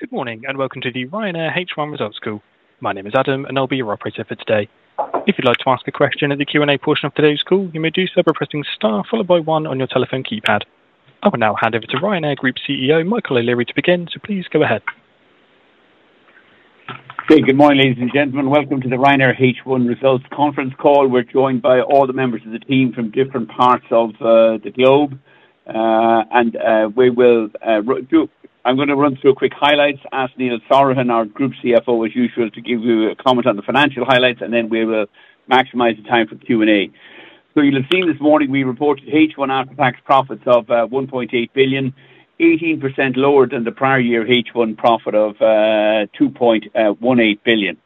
Good morning and welcome to the Ryanair H1 Results call. My name is Adam, and I'll be your operator for today. If you'd like to ask a question in the Q&A portion of today's call, you may do so by pressing star followed by one on your telephone keypad. I will now hand over to Ryanair Group CEO, Michael O'Leary, to begin, so please go ahead. Good morning, ladies and gentlemen. Welcome to the Ryanair H1 Results conference call. We're joined by all the members of the team from different parts of the globe, and we will. I'm going to run through quick highlights, ask Neil Sorahan, our Group CFO, as usual, to give you a comment on the financial highlights, and then we will maximize the time for Q&A. So you'll have seen this morning we reported H1 after-tax profits of €1.8 billion, 18% lower than the prior year H1 profit of €2.18 billion.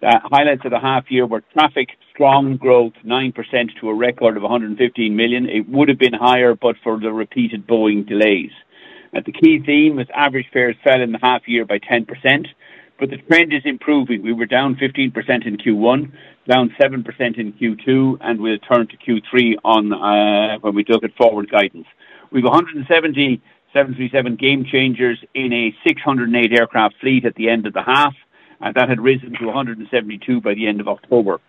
Highlights of the half-year were traffic, strong growth, 9% to a record of 115 million. It would have been higher, but for the repeated Boeing delays. The key theme is average fares fell in the half-year by 10%, but the trend is improving. We were down 15% in Q1, down 7% in Q2, and we returned to Q3 when we took a forward guidance. We have 170 737 Gamechangers in a 608 aircraft fleet at the end of the half, and that had risen to 172 by the end of October.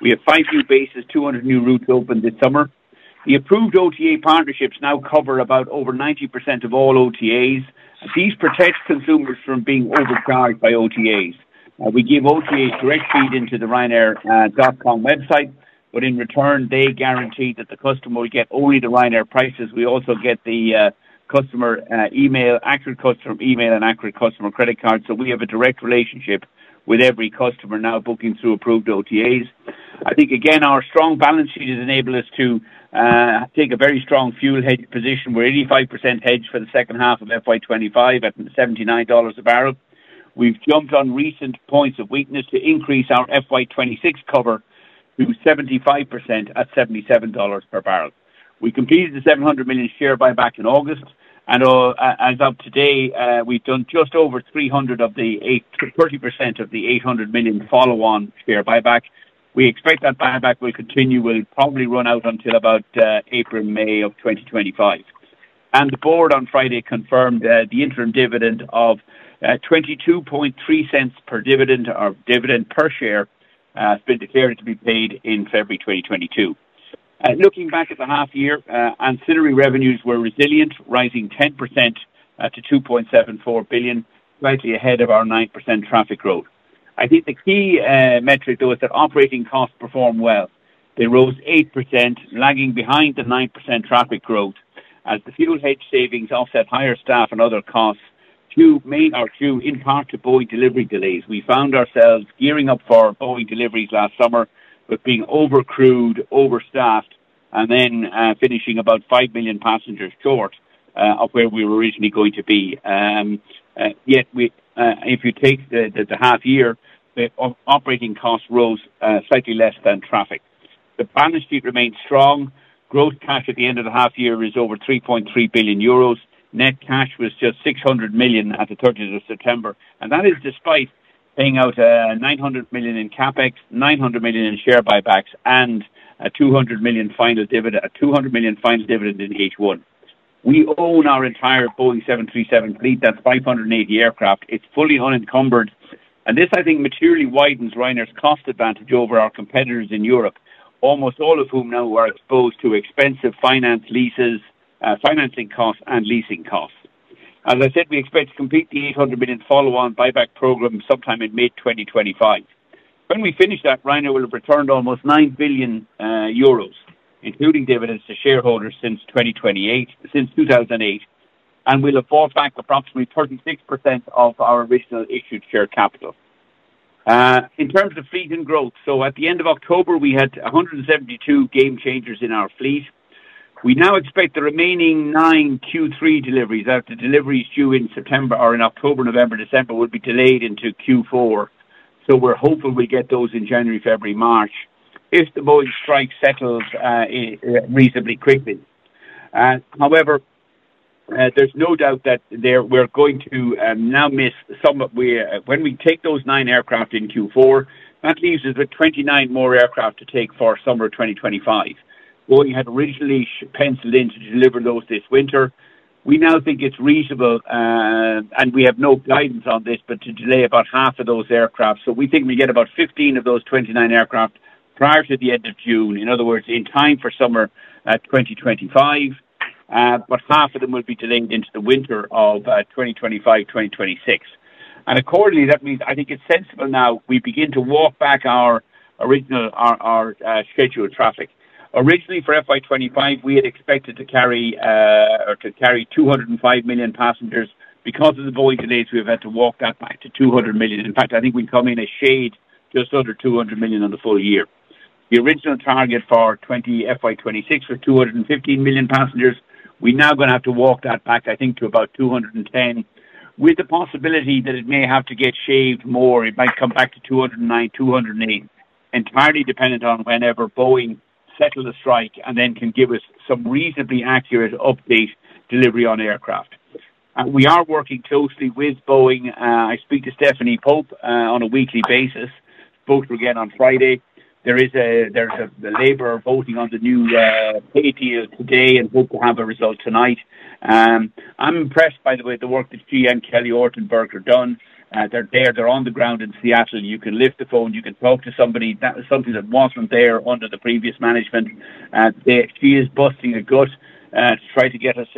We have five new bases, 200 new routes open this summer. The approved OTA partnerships now cover about over 90% of all OTAs. These protect consumers from being overcharged by OTAs. We give OTAs direct feed into the ryanair.com website, but in return, they guarantee that the customer will get only the Ryanair prices. We also get the customer email, accurate customer email, and accurate customer credit cards, so we have a direct relationship with every customer now booking through approved OTAs. I think, again, our strong balance sheet has enabled us to take a very strong fuel hedging position, where 85% hedged for the second half of FY25 at $79 a barrel. We've jumped on recent points of weakness to increase our FY26 cover to 75% at $77 per barrel. We completed the $700 million share buyback in August, and as of today, we've done just over 30% of the $800 million follow-on share buyback. We expect that buyback will continue. We'll probably run out until about April, May of 2025. And the board on Friday confirmed the interim dividend of $22.30 per dividend or dividend per share has been declared to be paid in February 2022. Looking back at the half-year, ancillary revenues were resilient, rising 10% to $2.74 billion, slightly ahead of our 9% traffic growth. I think the key metric, though, is that operating costs performed well. They rose 8%, lagging behind the 9% traffic growth, as the fuel hedging savings offset higher staff and other costs due in part to Boeing delivery delays. We found ourselves gearing up for Boeing deliveries last summer, but being overcrewed, overstaffed, and then finishing about 5 million passengers short of where we were originally going to be. Yet, if you take the half-year, operating costs rose slightly less than traffic. The balance sheet remained strong. Gross cash at the end of the half-year was over €3.3 billion. Net cash was just €600 million at the 30th of September, and that is despite paying out €900 million in CapEx, €900 million in share buybacks, and a €200 million final dividend in H1. We own our entire Boeing 737 fleet. That's 580 aircraft. It's fully unencumbered, and this, I think, materially widens Ryanair's cost advantage over our competitors in Europe, almost all of whom now are exposed to expensive financing costs and leasing costs. As I said, we expect to complete the $800 million follow-on buyback program sometime in mid-2025. When we finish that, Ryanair will have returned almost €9 billion, including dividends to shareholders since 2008, and we'll have bought back approximately 36% of our original issued share capital. In terms of fleet and growth, so at the end of October, we had 172 Gamechangers in our fleet. We now expect the remaining nine Q3 deliveries, as the deliveries due in October and November, December, would be delayed into Q4, so we're hopeful we get those in January, February, March, if the Boeing strike settles reasonably quickly. However, there's no doubt that we're going to now miss some of when we take those nine aircraft in Q4. That leaves us with 29 more aircraft to take for summer 2025. Boeing had originally penciled in to deliver those this winter. We now think it's reasonable, and we have no guidance on this, but to delay about half of those aircraft. So we think we get about 15 of those 29 aircraft prior to the end of June, in other words, in time for summer 2025, but half of them will be delayed into the winter of 2025-2026. And accordingly, that means I think it's sensible now we begin to walk back our original schedule of traffic. Originally, for FY25, we had expected to carry 205 million passengers. Because of the Boeing delays, we've had to walk that back to 200 million. In fact, I think we've come in a shade just under 200 million on the full year. The original target for FY26 was 215 million passengers. We're now going to have to walk that back, I think, to about 210, with the possibility that it may have to get shaved more. It might come back to 209, 208, entirely dependent on whenever Boeing settles the strike and then can give us some reasonably accurate update delivery on aircraft. We are working closely with Boeing. I speak to Stephanie Pope on a weekly basis. Votes were again on Friday. There's a labor voting on the new pact today and hope to have a result tonight. I'm impressed, by the way, at the work that she and Kelly Ortberg have done. They're there. They're on the ground in Seattle. You can lift the phone. You can talk to somebody. That was something that wasn't there under the previous management. She is busting her gut to try to get us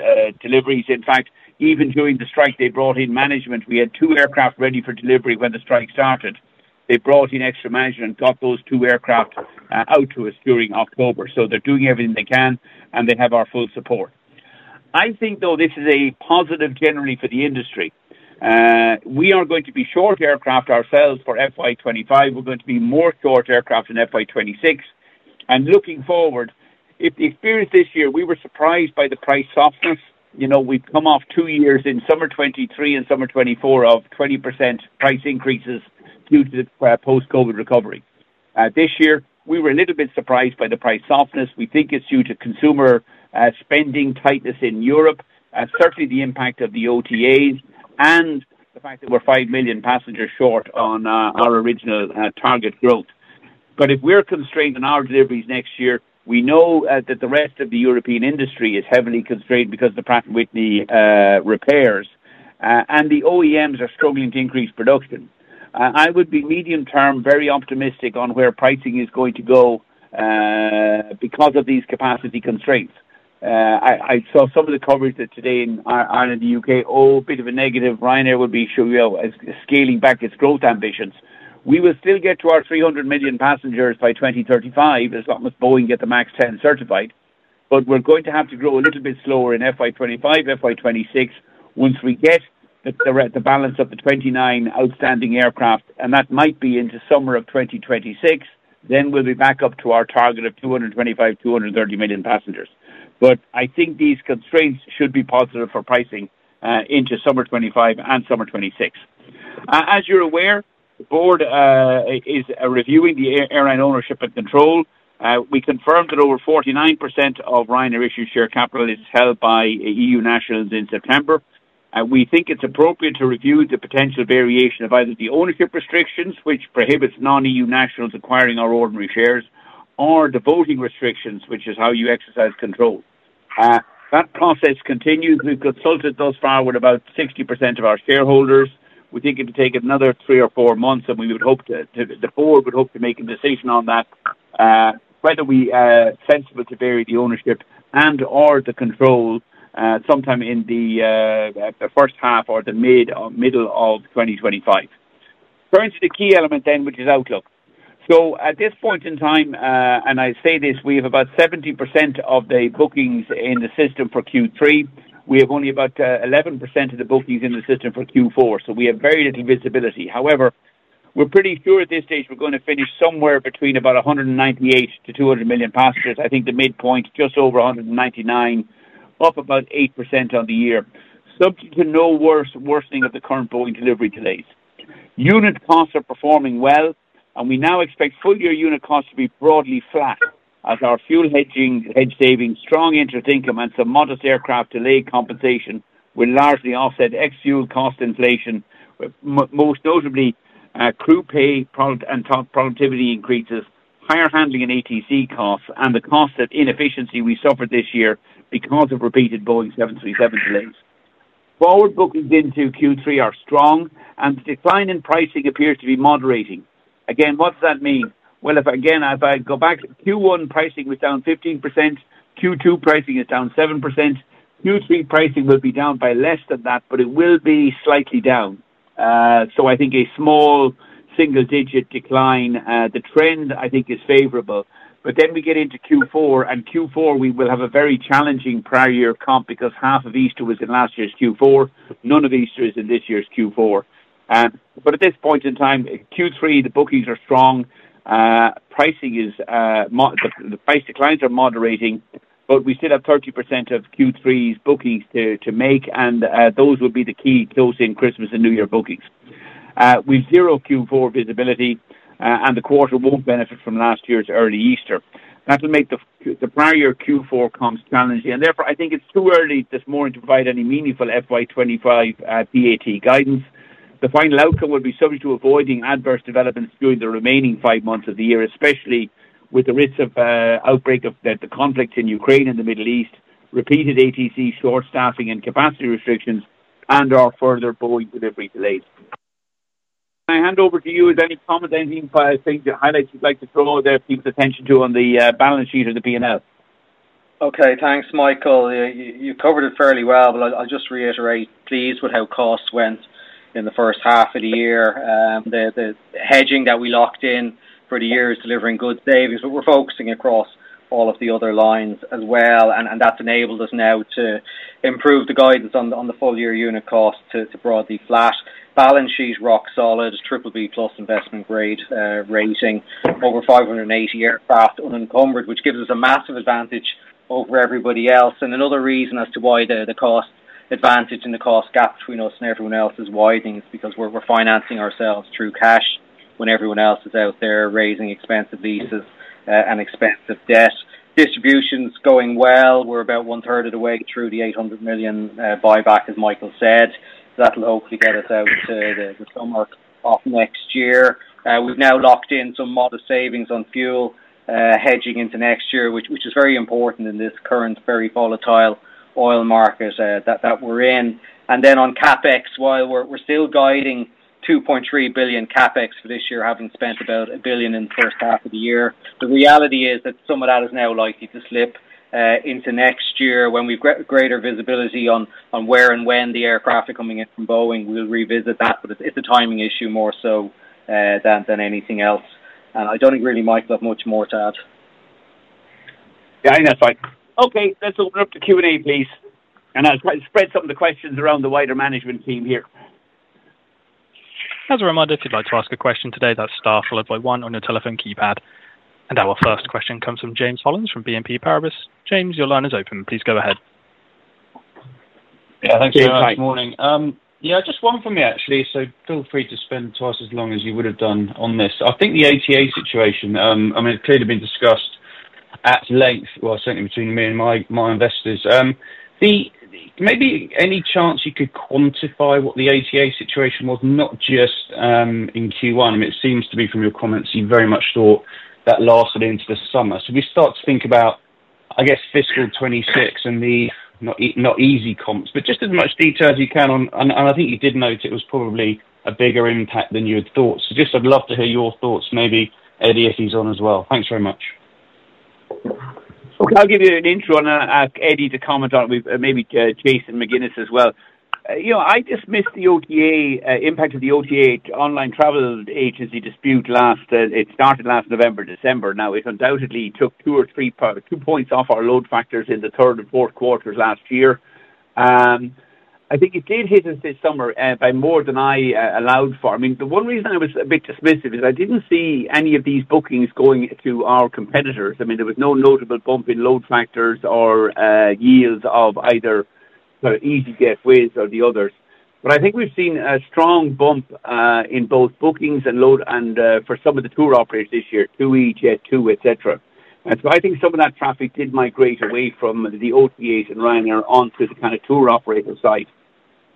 deliveries. In fact, even during the strike, they brought in management. We had two aircraft ready for delivery when the strike started. They brought in extra management and got those two aircraft out to us during October. So they're doing everything they can, and they have our full support. I think, though, this is a positive generally for the industry. We are going to be short aircraft ourselves for FY25. We're going to be more short aircraft in FY26. And looking forward, if the experience this year, we were surprised by the price softness. We've come off two years in summer 2023 and summer 2024 of 20% price increases due to the post-COVID recovery. This year, we were a little bit surprised by the price softness. We think it's due to consumer spending tightness in Europe, certainly the impact of the OTAs, and the fact that we're five million passengers short on our original target growth. But if we're constrained on our deliveries next year, we know that the rest of the European industry is heavily constrained because of the Pratt & Whitney repairs, and the OEMs are struggling to increase production. I would be, medium term, very optimistic on where pricing is going to go because of these capacity constraints. I saw some of the coverage today in Ireland and the UK, all a bit of a negative. Ryanair will be scaling back its growth ambitions. We will still get to our 300 million passengers by 2035, as long as Boeing gets the MAX 10 certified, but we're going to have to grow a little bit slower in FY25, FY26, once we get the balance of the 29 outstanding aircraft, and that might be into summer of 2026. Then we'll be back up to our target of 225-230 million passengers. But I think these constraints should be positive for pricing into summer 2025 and summer 2026. As you're aware, the board is reviewing the airline ownership and control. We confirmed that over 49% of Ryanair issued share capital is held by EU nationals in September. We think it's appropriate to review the potential variation of either the ownership restrictions, which prohibits non-EU nationals acquiring our ordinary shares, or the voting restrictions, which is how you exercise control. That process continues. We've consulted thus far with about 60% of our shareholders. We think it will take another three or four months, and we would hope to, the board would hope to make a decision on that, whether we are sensible to vary the ownership and/or the control sometime in the first half or the middle of 2025. Currently, the key element then, which is outlook. So at this point in time, and I say this, we have about 70% of the bookings in the system for Q3. We have only about 11% of the bookings in the system for Q4, so we have very little visibility. However, we're pretty sure at this stage we're going to finish somewhere between about 198-200 million passengers. I think the midpoint, just over 199, up about 8% on the year, subject to no worsening of the current Boeing delivery delays. Unit costs are performing well, and we now expect full-year unit costs to be broadly flat, as our fuel hedge savings, strong interest income, and some modest aircraft delay compensation will largely offset ex-fuel cost inflation, most notably crew pay and productivity increases, higher handling and ATC costs, and the costs and inefficiency we suffered this year because of repeated Boeing 737 delays. Forward bookings into Q3 are strong, and the decline in pricing appears to be moderating. Again, what does that mean? Well, again, if I go back, Q1 pricing was down 15%. Q2 pricing is down 7%. Q3 pricing will be down by less than that, but it will be slightly down. So I think a small single-digit decline. The trend, I think, is favorable. But then we get into Q4, and Q4, we will have a very challenging prior year comp because half of Easter was in last year's Q4. None of Easter is in this year's Q4. But at this point in time, Q3, the bookings are strong. Price declines are moderating, but we still have 30% of Q3's bookings to make, and those will be the key close in Christmas and New Year bookings. We've zero Q4 visibility, and the quarter won't benefit from last year's early Easter. That will make the prior year Q4 comps challenging. And therefore, I think it's too early this morning to provide any meaningful FY25 PAT guidance. The final outcome will be subject to avoiding adverse developments during the remaining five months of the year, especially with the risk of outbreak of the conflict in Ukraine and the Middle East, repeated ATC, short staffing, and capacity restrictions, and our further Boeing delivery delays. I hand over to you. Is there any comment, anything, things to highlight you'd like to throw out there to keep attention to on the balance sheet of the P&L? Okay. Thanks, Michael. You covered it fairly well, but I'll just reiterate, please, with how costs went in the first half of the year. The hedging that we locked in for the year is delivering good savings, but we're focusing across all of the other lines as well, and that's enabled us now to improve the guidance on the full-year unit cost to broadly flat. Balance sheet is rock solid, triple B plus investment grade rating over 580 aircraft unencumbered, which gives us a massive advantage over everybody else. And another reason as to why the cost advantage and the cost gap between us and everyone else is widening is because we're financing ourselves through cash when everyone else is out there raising expensive leases and expensive debt. Distribution's going well. We're about one-third of the way through the $800 million buyback, as Michael said. That'll hopefully get us out to the summer of next year. We've now locked in some modest savings on fuel hedging into next year, which is very important in this current very volatile oil market that we're in. And then on CapEx, while we're still guiding €2.3 billion CapEx for this year, having spent about €1 billion in the first half of the year, the reality is that some of that is now likely to slip into next year. When we've got greater visibility on where and when the aircraft are coming in from Boeing, we'll revisit that, but it's a timing issue more so than anything else. And I don't think really, Michael, have much more to add. Yeah, I think that's fine. Okay. Let's open up to Q&A, please, and I'll try to spread some of the questions around the wider management team here. As a reminder, if you'd like to ask a question today, that's star followed by one on your telephone keypad. And our first question comes from James Hollins from BNP Paribas. James, your line is open. Please go ahead. Yeah, thanks for that. Good morning. Yeah, just one for me, actually, so feel free to spend twice as long as you would have done on this. I think the OTA situation, I mean, it's clearly been discussed at length, well, certainly between me and my investors. Maybe any chance you could quantify what the OTA situation was, not just in Q1? I mean, it seems to be, from your comments, you very much thought that lasted into the summer. So we start to think about, I guess, fiscal 2026 and the not easy comps, but just as much detail as you can. And I think you did note it was probably a bigger impact than you had thought. So just I'd love to hear your thoughts, maybe, Eddie, if he's on as well. Thanks very much. Okay. I'll give you an intro on that. Eddie, to comment on it with maybe Jason McGuinness as well. I dismissed the impact of the OTA online travel agency dispute last. It started last November, December. Now, it undoubtedly took two or three points off our load factors in the third and fourth quarters last year. I think it did hit us this summer by more than I allowed for. I mean, the one reason I was a bit dismissive is I didn't see any of these bookings going to our competitors. I mean, there was no notable bump in load factors or yields of either easyJet, Wizz or the others. But I think we've seen a strong bump in both bookings and load and for some of the tour operators this year, TUI, Jet2, etc. So I think some of that traffic did migrate away from the OTAs and Ryanair onto the kind of tour operator side.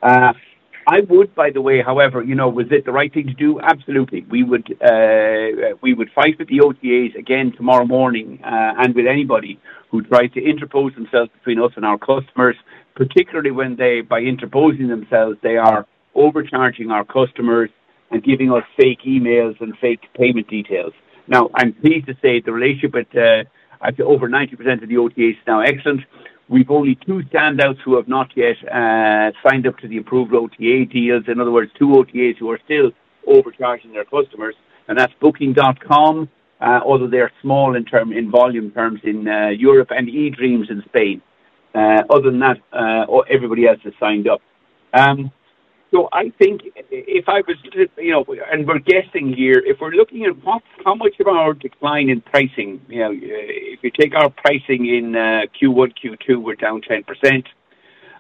I would, by the way, however, was it the right thing to do? Absolutely. We would fight with the OTAs again tomorrow morning and with anybody who tries to interpose themselves between us and our customers, particularly when they, by interposing themselves, they are overcharging our customers and giving us fake emails and fake payment details. Now, I'm pleased to say the relationship with, I'd say, over 90% of the OTAs is now excellent. We've only two standouts who have not yet signed up to the approved OTA deals. In other words, two OTAs who are still overcharging their customers, and that's Booking.com, although they're small in volume terms in Europe and eDreams in Spain. Other than that, everybody else has signed up. So I think if I was, and we're guessing here, if we're looking at how much of our decline in pricing, if you take our pricing in Q1, Q2, we're down 10%.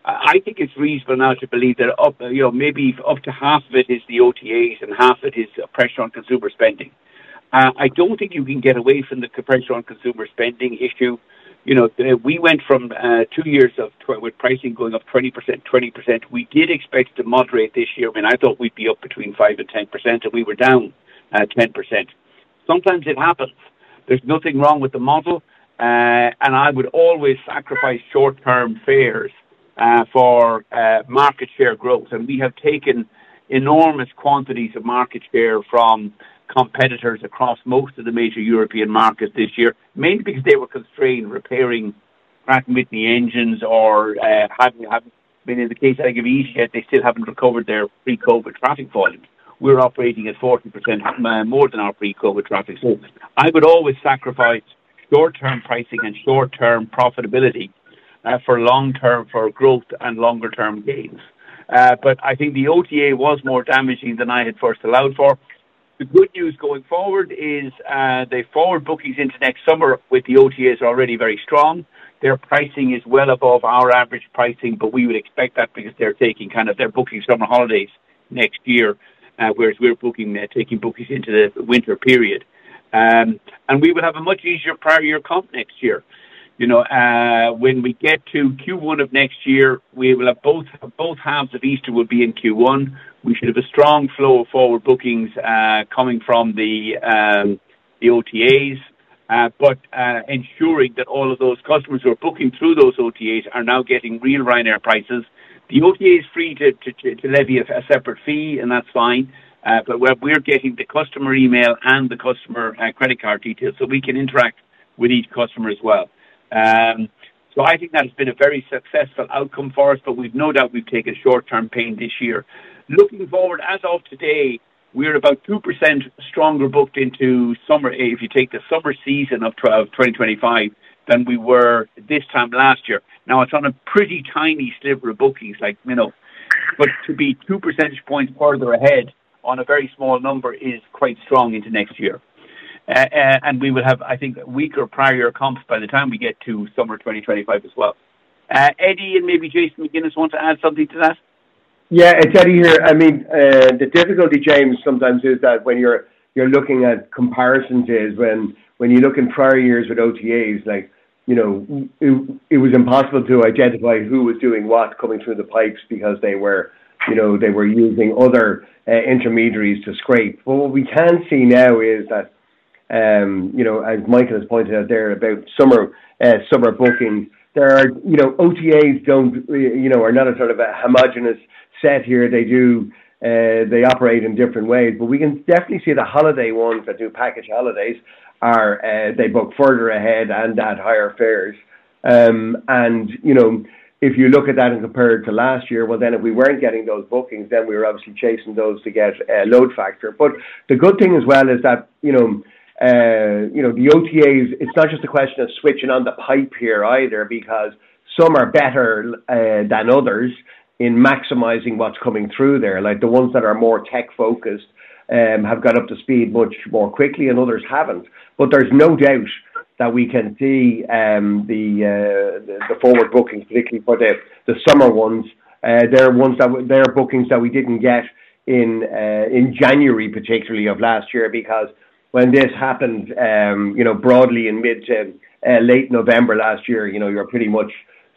I think it's reasonable now to believe that maybe up to half of it is the OTAs and half of it is pressure on consumer spending. I don't think you can get away from the pressure on consumer spending issue. We went from two years of pricing going up 20%, 20%. We did expect to moderate this year. I mean, I thought we'd be up between 5%-10%, and we were down 10%. Sometimes it happens. There's nothing wrong with the model, and I would always sacrifice short-term fares for market share growth. We have taken enormous quantities of market share from competitors across most of the major European markets this year, mainly because they were constrained repairing Pratt & Whitney engines or having been in the case, I think, of easyJet. They still haven't recovered their pre-COVID traffic volumes. We're operating at 40% more than our pre-COVID traffic. So I would always sacrifice short-term pricing and short-term profitability for long-term growth and longer-term gains. But I think the OTA was more damaging than I had first allowed for. The good news going forward is their forward bookings into next summer with the OTAs already very strong. Their pricing is well above our average pricing, but we would expect that because they're taking kind of their bookings from the holidays next year, whereas we're taking bookings into the winter period. And we will have a much easier prior year comp next year. When we get to Q1 of next year, we will have both halves of Easter will be in Q1. We should have a strong flow of forward bookings coming from the OTAs, but ensuring that all of those customers who are booking through those OTAs are now getting real Ryanair prices. The OTA is free to levy a separate fee, and that's fine. But we're getting the customer email and the customer credit card details so we can interact with each customer as well. So I think that has been a very successful outcome for us, but we've no doubt taken short-term pain this year. Looking forward, as of today, we're about 2% stronger booked into summer. If you take the summer season of 2025 than we were this time last year. Now, it's on a pretty tiny sliver of bookings, but to be two percentage points further ahead on a very small number is quite strong into next year. And we will have, I think, weaker prior year comps by the time we get to summer 2025 as well. Eddie, and maybe Jason McGuinness want to add something to that? Yeah, it's Eddie here. I mean, the difficulty, James, sometimes is that when you're looking at comparisons is when you look in prior years with OTAs, it was impossible to identify who was doing what coming through the pipes because they were using other intermediaries to scrape. But what we can see now is that, as Michael has pointed out there about summer bookings, OTAs are not a sort of a homogeneous set here. They operate in different ways. But we can definitely see the holiday ones, the new package holidays. They book further ahead and at higher fares. And if you look at that and compare it to last year, well, then if we weren't getting those bookings, then we were obviously chasing those to get load factor. But the good thing as well is that the OTAs, it's not just a question of switching on the pipe here either because some are better than others in maximizing what's coming through there. The ones that are more tech-focused have got up to speed much more quickly, and others haven't. But there's no doubt that we can see the forward bookings, particularly for the summer ones. There are bookings that we didn't get in January, particularly of last year, because when this happened broadly in mid to late November last year, you were pretty much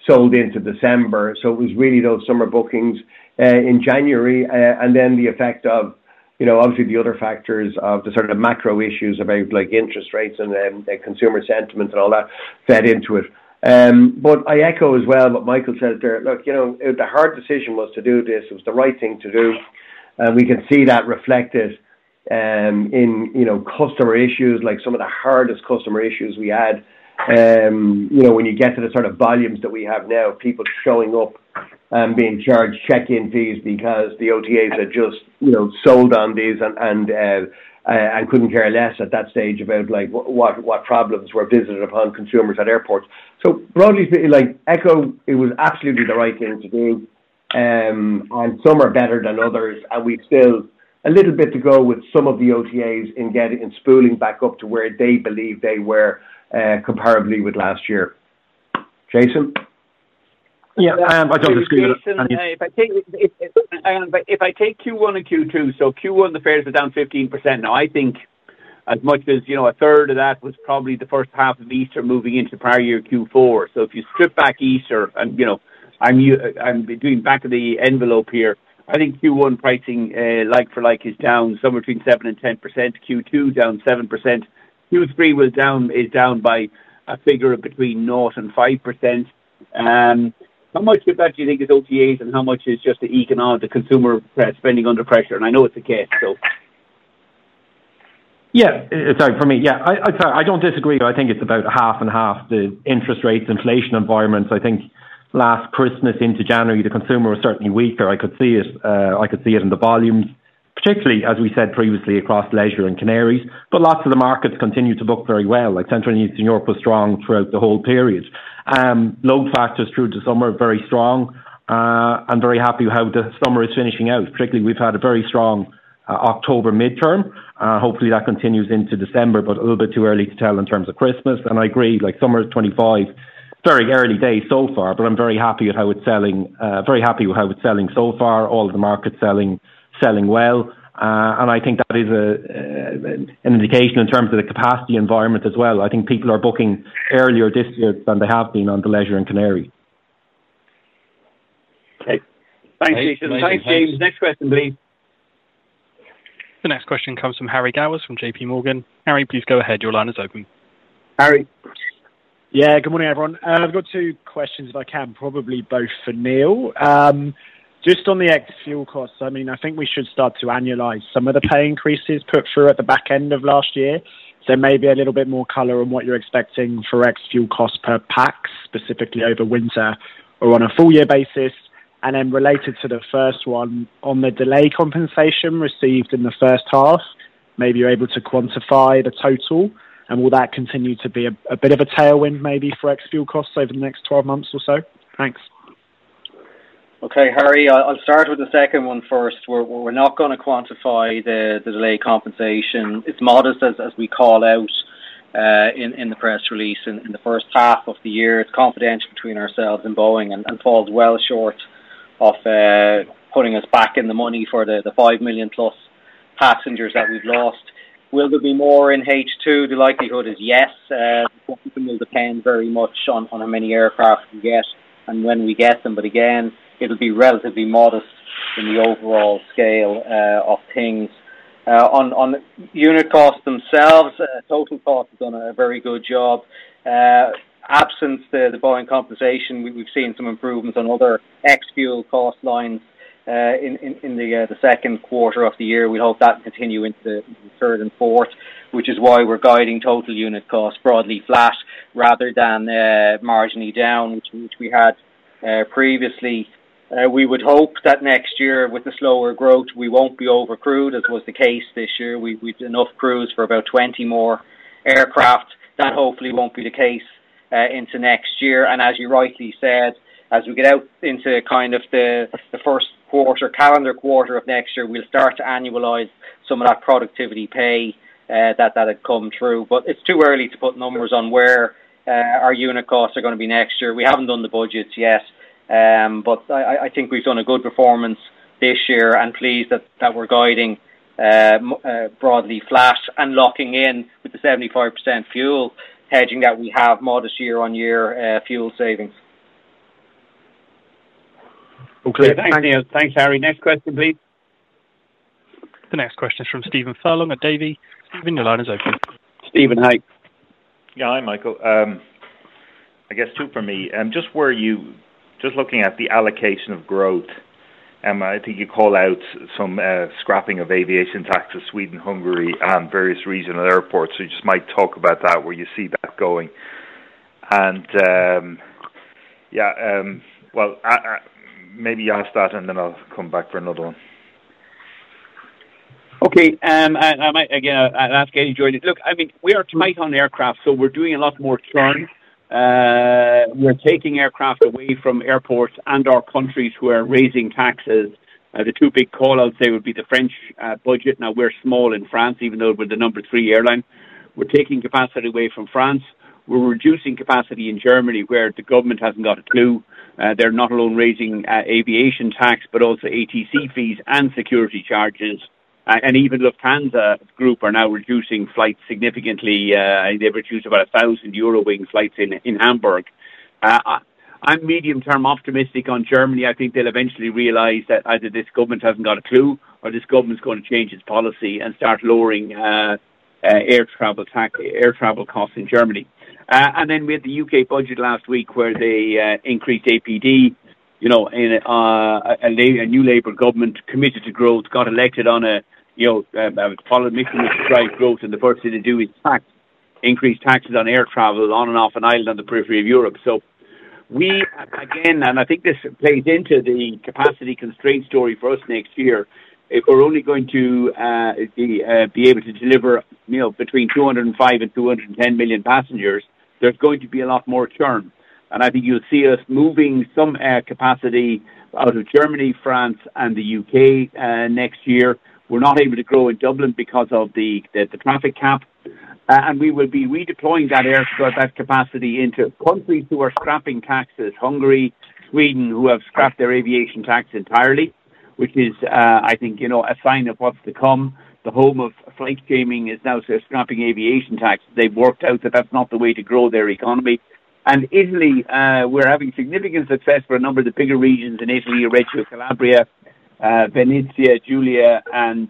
sold into December. So it was really those summer bookings in January, and then the effect of, obviously, the other factors of the sort of macro issues about interest rates and consumer sentiment and all that fed into it. But I echo as well what Michael said there. Look, the hard decision was to do this. It was the right thing to do. And we can see that reflected in customer issues, like some of the hardest customer issues we had. When you get to the sort of volumes that we have now, people showing up and being charged check-in fees because the OTAs are just sold on these and couldn't care less at that stage about what problems were visited upon consumers at airports. So broadly, echo it was absolutely the right thing to do, and some are better than others. We've still a little bit to go with some of the OTAs in scaling back up to where they believe they were comparably with last year. Jason? Yeah, this is Jason McGuinness. If I take Q1 and Q2, so Q1, the fares are down 15%. Now, I think as much as a third of that was probably the first half of Easter moving into prior year Q4. So if you strip back Easter, and I'm doing back of the envelope here, I think Q1 pricing like for like is down somewhere between 7% and 10%. Q2 down 7%. Q3 is down by a figure between 0% and 5%. How much of that do you think is OTAs, and how much is just the consumer spending under pressure? And I know it's a guess, so. Yeah. Sorry, for me. Yeah. I don't disagree. I think it's about half and half the interest rates inflation environment. I think last Christmas into January, the consumer was certainly weaker. I could see it in the volumes, particularly, as we said previously, across leisure and Canaries, but lots of the markets continue to book very well. Central and Eastern Europe was strong throughout the whole period. Load factors through the summer are very strong. I'm very happy how the summer is finishing out. Particularly, we've had a very strong October midterm. Hopefully, that continues into December, but a little bit too early to tell in terms of Christmas, and I agree, summer is 25, very early days so far, but I'm very happy with how it's selling, very happy with how it's selling so far. All of the markets selling well, and I think that is an indication in terms of the capacity environment as well. I think people are booking earlier this year than they have been on the leisure and Canaries. Okay. Thanks, Jason. Thanks, James. Next question, please. The next question comes from Harry Gowers from J.P. Morgan. Harry, please go ahead. Your line is open. Harry. Yeah, good morning, everyone. I've got two questions, if I can, probably both for Neil. Just on the ex-fuel costs, I mean, I think we should start to annualize some of the pay increases put through at the back end of last year. So maybe a little bit more color on what you're expecting for ex-fuel costs per pax, specifically over winter or on a full-year basis. And then related to the first one, on the delay compensation received in the first half, maybe you're able to quantify the total. And will that continue to be a bit of a tailwind maybe for ex-fuel costs over the next 12 months or so? Thanks. Okay, Harry. I'll start with the second one first. We're not going to quantify the delay compensation. It's modest, as we call out in the press release in the first half of the year. It's confidential between ourselves and Boeing and falls well short of putting us back in the money for the 5 million-plus passengers that we've lost. Will there be more in H2? The likelihood is yes. It will depend very much on how many aircraft we get and when we get them. But again, it'll be relatively modest in the overall scale of things. On unit costs themselves, total costs have done a very good job. Absence of the Boeing compensation, we've seen some improvements on other ex-fuel cost lines in the second quarter of the year. We hope that will continue into the third and fourth, which is why we're guiding total unit costs broadly flat rather than marginally down, which we had previously. We would hope that next year, with the slower growth, we won't be overcrewed, as was the case this year. We've enough crews for about 20 more aircraft. That hopefully won't be the case into next year. And as you rightly said, as we get out into kind of the first quarter, calendar quarter of next year, we'll start to annualize some of that productivity pay that had come through. But it's too early to put numbers on where our unit costs are going to be next year. We haven't done the budgets yet, but I think we've done a good performance this year and pleased that we're guiding broadly flat and locking in with the 75% fuel hedging that we have modest year-on-year fuel savings. Okay. Thanks, Neil. Thanks, Harry. Next question, please. The next question is from Stephen Furlong at Davy. Stephen, your line is open. Stephen, hi. Yeah, hi, Michael. I guess two for me. Just looking at the allocation of growth, I think you call out some scrapping of aviation taxes in Sweden, Hungary, and various regional airports. So you just might talk about that, where you see that going. And yeah, well, maybe you ask that, and then I'll come back for another one. Okay. And again, I'll ask Eddie joining. Look, I mean, we are tight on aircraft, so we're doing a lot more charge. We're taking aircraft away from airports and our countries who are raising taxes. The two big callouts there would be the French budget. Now, we're small in France, even though we're the number three airline. We're taking capacity away from France. We're reducing capacity in Germany, where the government hasn't got a clue. They're not alone raising aviation tax, but also ATC fees and security charges. Even Lufthansa Group are now reducing flights significantly. They've reduced about 1,000 Eurowings flights in Hamburg. I'm medium-term optimistic on Germany. I think they'll eventually realize that either this government hasn't got a clue or this government's going to change its policy and start lowering air travel costs in Germany. Then we had the UK budget last week, where they increased APD, and a new Labour government committed to growth, got elected on a platform to drive growth. The first thing to do is increase taxes on air travel on and off an island on the periphery of Europe. We, again, think this plays into the capacity constraint story for us next year. If we're only going to be able to deliver between 205 and 210 million passengers, there's going to be a lot more churn. I think you'll see us moving some air capacity out of Germany, France, and the UK next year. We're not able to grow in Dublin because of the traffic cap. We will be redeploying that air to get that capacity into countries who are scrapping taxes, Hungary, Sweden, who have scrapped their aviation tax entirely, which is, I think, a sign of what's to come. The home of flight shaming is now scrapping aviation tax. They've worked out that that's not the way to grow their economy. In Italy, we're having significant success for a number of the bigger regions in Italy, Reggio Calabria, Venezia Giulia, and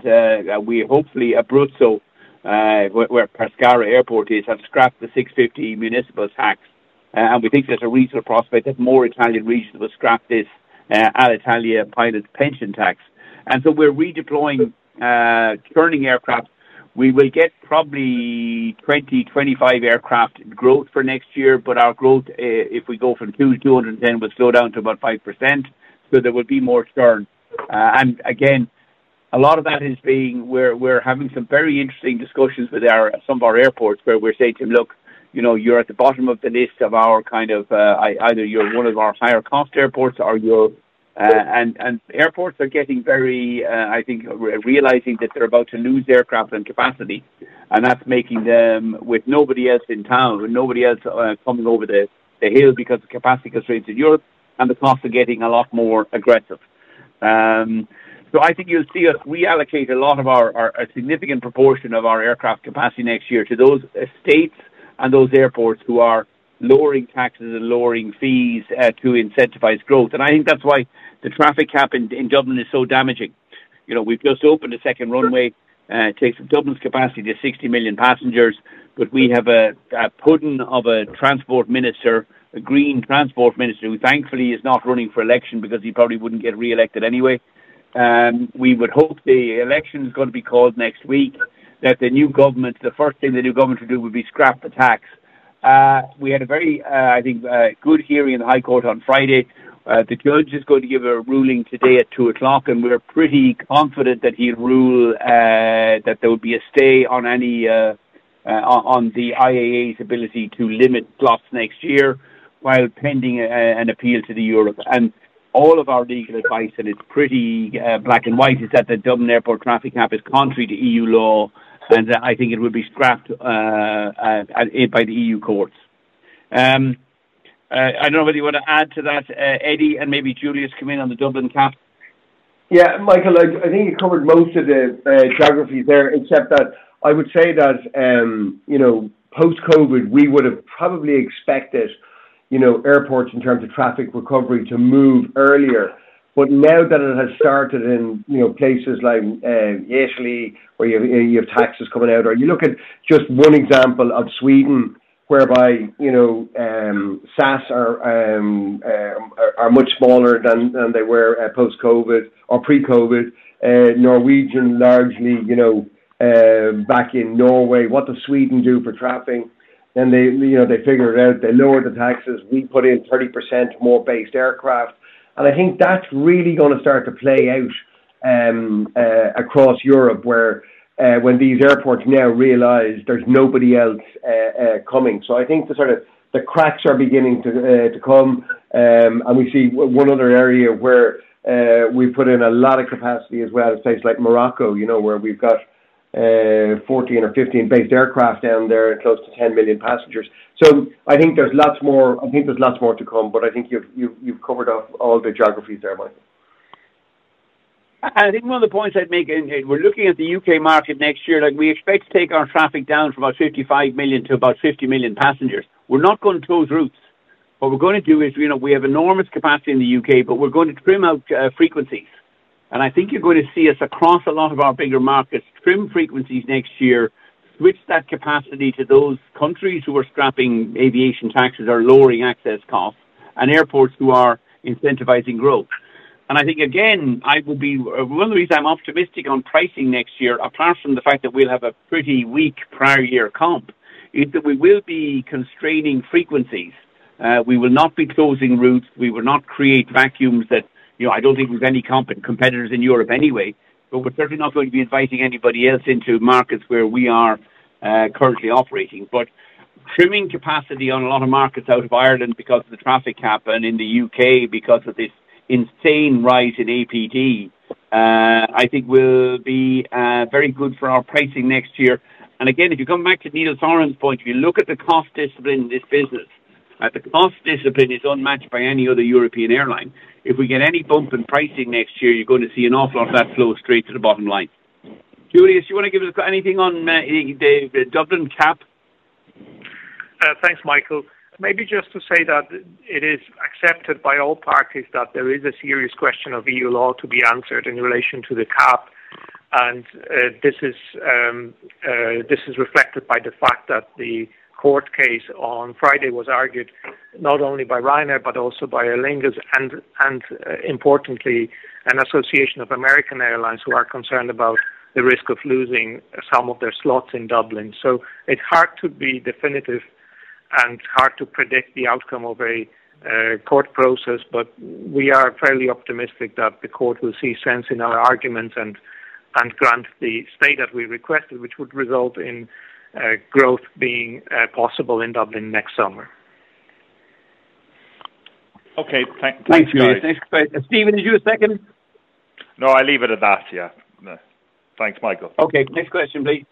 we hopefully Abruzzo, where Pescara Airport is, have scrapped the 650 municipal tax. We think there's a reasonable prospect that more Italian regions will scrap this Alitalia pilot pension tax. So we're redeploying churning aircraft. We will get probably 20-25 aircraft growth for next year, but our growth, if we go from 200 to 210, will slow down to about 5%. So there will be more churn. And again, a lot of that is, we're having some very interesting discussions with some of our airports, where we're saying to them, "Look, you're at the bottom of the list of our kind of either you're one of our higher cost airports or you're," and airports are getting very, I think, realizing that they're about to lose aircraft and capacity. And that's making them, with nobody else in town, with nobody else coming over the hill, because of capacity constraints in Europe, and the costs are getting a lot more aggressive. So I think you'll see us reallocate a lot of our significant proportion of our aircraft capacity next year to those states and those airports who are lowering taxes and lowering fees to incentivize growth. And I think that's why the traffic cap in Dublin is so damaging. We've just opened a second runway. It takes Dublin's capacity to 60 million passengers, but we have a pudding of a transport minister, a green transport minister, who thankfully is not running for election because he probably wouldn't get reelected anyway. We would hope the election is going to be called next week, that the new government, the first thing the new government would do would be scrap the tax. We had a very, I think, good hearing in the High Court on Friday. The judge is going to give a ruling today at 2:00 P.M., and we're pretty confident that he'll rule that there would be a stay on the IAA's ability to limit costs next year while pending an appeal to Europe. All of our legal advice, and it's pretty black and white, is that the Dublin Airport traffic cap is contrary to EU law, and I think it would be scrapped by the EU courts. I don't know whether you want to add to that, Eddie, and maybe Julius come in on the Dublin cap. Yeah. Michael, I think you covered most of the geographies there, except that I would say that post-COVID, we would have probably expected airports in terms of traffic recovery to move earlier. But now that it has started in places like Italy, where you have taxes coming out, or you look at just one example of Sweden, whereby SAS are much smaller than they were post-COVID or pre-COVID, Norwegian largely back in Norway, what does Sweden do for traffic? They figure it out. They lower the taxes. We put in 30% more based aircraft. I think that's really going to start to play out across Europe, where when these airports now realize there's nobody else coming. So I think the cracks are beginning to come. And we see one other area where we've put in a lot of capacity as well as places like Morocco, where we've got 14 or 15 based aircraft down there and close to 10 million passengers. So I think there's lots more I think there's lots more to come, but I think you've covered off all the geographies there, Michael. I think one of the points I'd make is we're looking at the U.K. market next year. We expect to take our traffic down from about 55 million to about 50 million passengers. We're not going to close routes. What we're going to do is we have enormous capacity in the UK, but we're going to trim out frequencies. And I think you're going to see us across a lot of our bigger markets trim frequencies next year, switch that capacity to those countries who are scrapping aviation taxes or lowering access costs and airports who are incentivizing growth. And I think, again, I will be one of the reasons I'm optimistic on pricing next year, apart from the fact that we'll have a pretty weak prior year comp, is that we will be constraining frequencies. We will not be closing routes. We will not create vacuums that I don't think we've any competitors in Europe anyway, but we're certainly not going to be inviting anybody else into markets where we are currently operating. But trimming capacity on a lot of markets out of Ireland because of the traffic cap and in the UK because of this insane rise in APD, I think will be very good for our pricing next year. And again, if you come back to Neil Sorahan's point, if you look at the cost discipline in this business, the cost discipline is unmatched by any other European airline. If we get any bump in pricing next year, you're going to see an awful lot of that flow straight to the bottom line. Julius, you want to give us anything on the Dublin cap? Thanks, Michael. Maybe just to say that it is accepted by all parties that there is a serious question of EU law to be answered in relation to the cap. This is reflected by the fact that the court case on Friday was argued not only by Ryanair, but also by Aer Lingus and, importantly, an association of American airlines who are concerned about the risk of losing some of their slots in Dublin. So it's hard to be definitive and hard to predict the outcome of a court process, but we are fairly optimistic that the court will see sense in our arguments and grant the stay that we requested, which would result in growth being possible in Dublin next summer. Okay. Thanks, Julius. Thanks, Steven. Did you have a second? No, I'll leave it at that. Yeah. Thanks, Michael. Okay. Next question, please.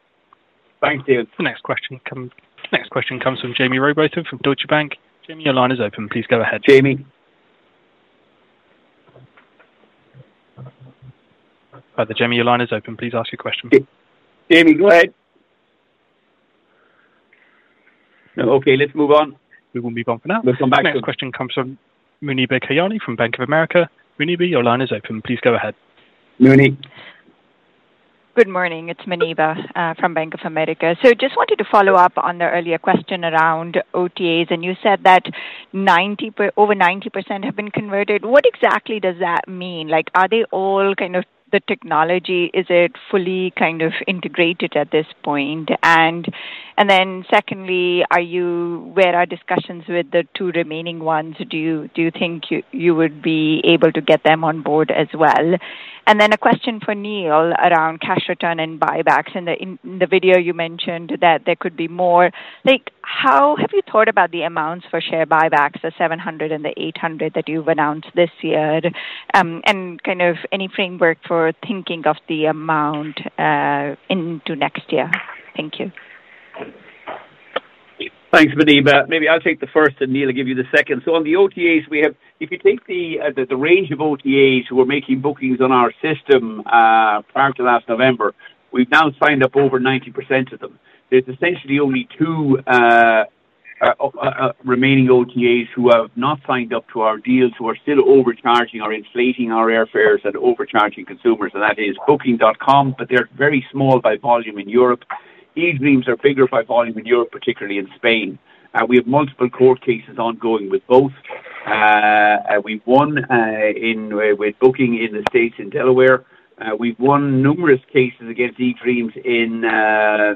Thanks, Steven. .The next question comes from Jaime Rowbotham from Deutsche Bank. Jamie, your line is open. Please go ahead. Jamie. Hi there, Jamie. Your line is open. Please ask your question. Jamie, go ahead. Okay. Let's move on. We will move on for now. Let's come back. The next question comes from Muneeba Kayani from Bank of America. Muneeba, your line is open. Please go ahead. Muneeba. Good morning. It's Muneeba from Bank of America. So just wanted to follow up on the earlier question around OTAs. And you said that over 90% have been converted. What exactly does that mean? Are they all kind of the technology? Is it fully kind of integrated at this point? And then secondly, where are discussions with the two remaining ones? Do you think you would be able to get them on board as well? And then a question for Neil around cash return and buybacks. In the video, you mentioned that there could be more. How have you thought about the amounts for share buybacks, the 700 and the 800 that you've announced this year? And kind of any framework for thinking of the amount into next year? Thank you. Thanks, Muneeba. Maybe I'll take the first, and Neil will give you the second. So on the OTAs, if you take the range of OTAs who are making bookings on our system prior to last November, we've now signed up over 90% of them. There's essentially only two remaining OTAs who have not signed up to our deals, who are still overcharging or inflating our airfares and overcharging consumers. And that is Booking.com, but they're very small by volume in Europe. eDreams are bigger by volume in Europe, particularly in Spain. We have multiple court cases ongoing with both. We've won with Booking in the States in Delaware. We've won numerous cases against eDreams in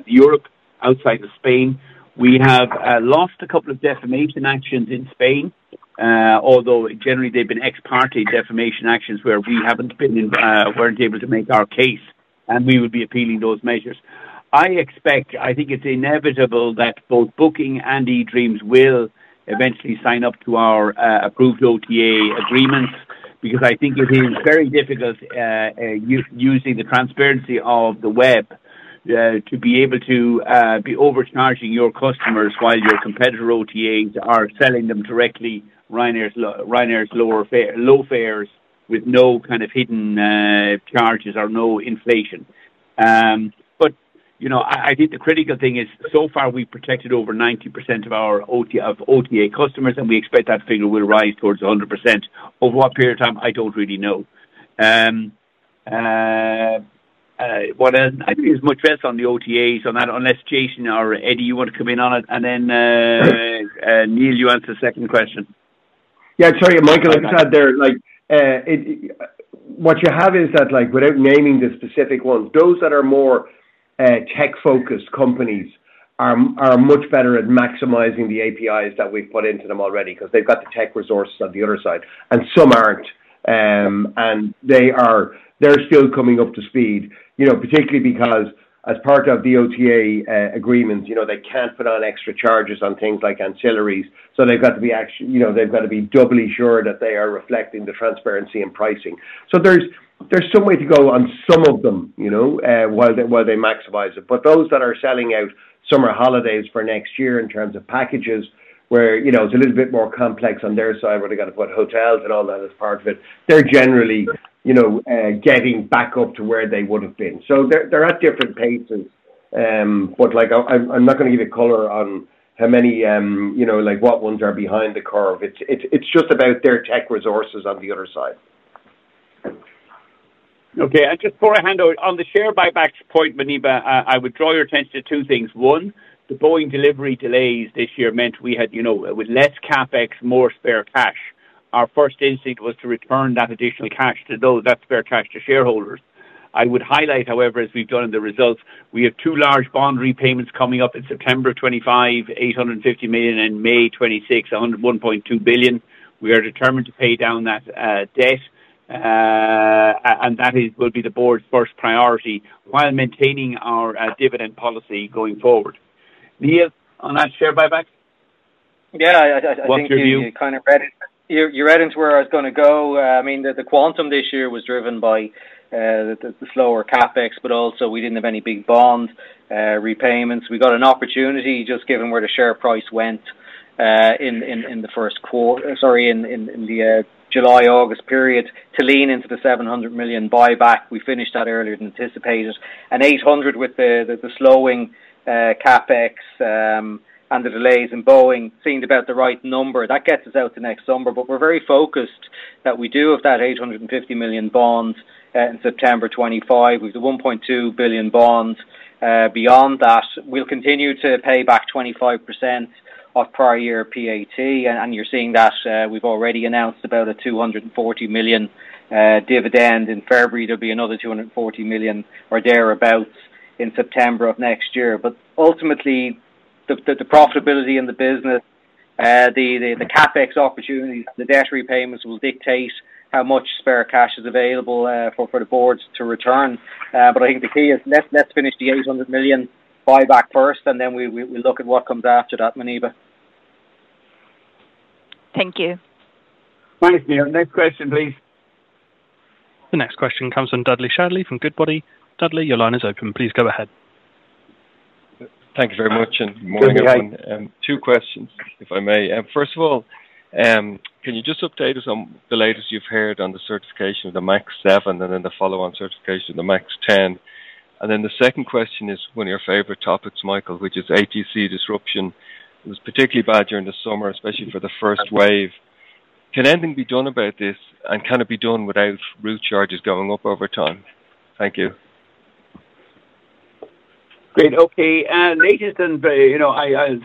Europe outside of Spain. We have lost a couple of defamation actions in Spain, although generally, they've been ex parte defamation actions where we haven't been able to make our case, and we would be appealing those measures. I think it's inevitable that both Booking and eDreams will eventually sign up to our approved OTA agreements because I think it is very difficult using the transparency of the web to be able to be overcharging your customers while your competitor OTAs are selling them directly Ryanair's low fares with no kind of hidden charges or no inflation. But I think the critical thing is, so far, we've protected over 90% of our OTA customers, and we expect that figure will rise towards 100%. Over what period of time? I don't really know. I think there's much better on the OTAs on that, unless Jason or Eddie, you want to come in on it? And then Neil, you answer the second question. Yeah. Sorry, Michael. Like I said there, what you have is that without naming the specific ones, those that are more tech-focused companies are much better at maximizing the APIs that we've put into them already because they've got the tech resources on the other side, and some aren't. And they're still coming up to speed, particularly because as part of the OTA agreements, they can't put on extra charges on things like ancillaries. So they've got to be doubly sure that they are reflecting the transparency in pricing. So there's some way to go on some of them while they maximize it. But those that are selling out summer holidays for next year in terms of packages, where it's a little bit more complex on their side, where they've got to put hotels and all that as part of it, they're generally getting back up to where they would have been. So they're at different paces, but I'm not going to give you color on how many what ones are behind the curve. It's just about their tech resources on the other side. Okay. And just for a hand-out on the share buybacks point, Muneeba, I would draw your attention to two things. One, the Boeing delivery delays this year meant we had with less CapEx, more spare cash. Our first instinct was to return that additional cash to those that spare cash to shareholders. I would highlight, however, as we've done in the results, we have two large bond repayments coming up in September 2025, €850 million, and May 2026, €1.2 billion. We are determined to pay down that debt, and that will be the board's first priority while maintaining our dividend policy going fo rward. Neil, on that share buyback? Yeah. I think you kind of read it. Your head is where I was going to go. I mean, the quantum this year was driven by the slower CapEx, but also we didn't have any big bond repayments. We got an opportunity, just given where the share price went in the first quarter sorry, in the July-August period, to lean into the €700 million buyback. We finished that earlier than anticipated, and €800 million with the slowing CapEx and the delays in Boeing seemed about the right number. That gets us out to next summer, but we're very focused that we do have that €850 million bond in September 2025. We've got €1.2 billion bonds. Beyond that, we'll continue to pay back 25% of prior year PAT, and you're seeing that we've already announced about a €240 million dividend in February. There'll be another €240 million or thereabouts in September of next year. But ultimately, the profitability in the business, the CapEx opportunities, the debt repayments will dictate how much spare cash is available for the boards to return. But I think the key is let's finish the €800 million buyback first, and then we'll look at what comes after that, Muneeba. Thank you. Thanks, Neil. Next question, please. The next question comes from Dudley Shanley from Goodbody. Dudley, your line is open. Please go ahead. Thank you very much. And morning. I have two questions, if I may. First of all, can you just update us on the latest you've heard on the certification of the MAX 7 and then the follow-on certification of the MAX 10? And then the second question is one of your favorite topics, Michael, which is ATC disruption. It was particularly bad during the summer, especially for the first wave. Can anything be done about this and can it be done without route charges going up over time? Thank you. Great. Okay. Latest, I was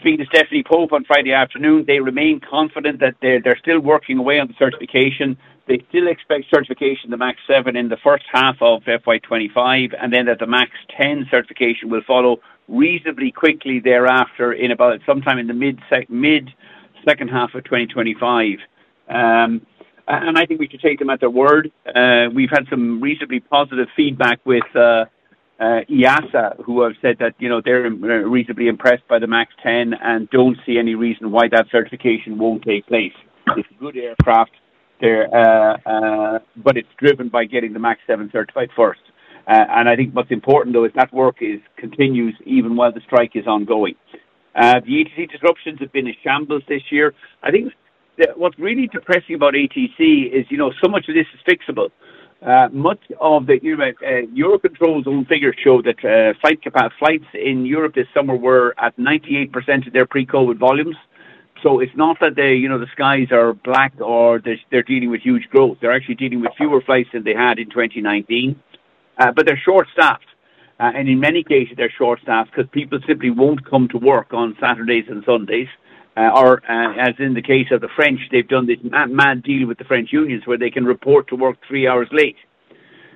speaking to Stephanie Pope on Friday afternoon. They remain confident that they're still working away on the certification. They still expect certification of the MAX 7 in the first half of FY25, and then that the MAX 10 certification will follow reasonably quickly thereafter in about sometime in the mid- to second half of 2025. I think we should take them at their word. We've had some reasonably positive feedback with EASA, who have said that they're reasonably impressed by the MAX 10 and don't see any reason why that certification won't take place. It's a good aircraft, but it's driven by getting the MAX 7 certified first. I think what's important, though, is that work continues even while the strike is ongoing. The ATC disruptions have been in shambles this year. I think what's really depressing about ATC is so much of this is fixable. Much of the Eurocontrol own figures show that flights in Europe this summer were at 98% of their pre-COVID volumes. So it's not that the skies are black or they're dealing with huge growth. They're actually dealing with fewer flights than they had in 2019. But they're short-staffed. And in many cases, they're short-staffed because people simply won't come to work on Saturdays and Sundays. Or as in the case of the French, they've done this mad deal with the French unions where they can report to work three hours late.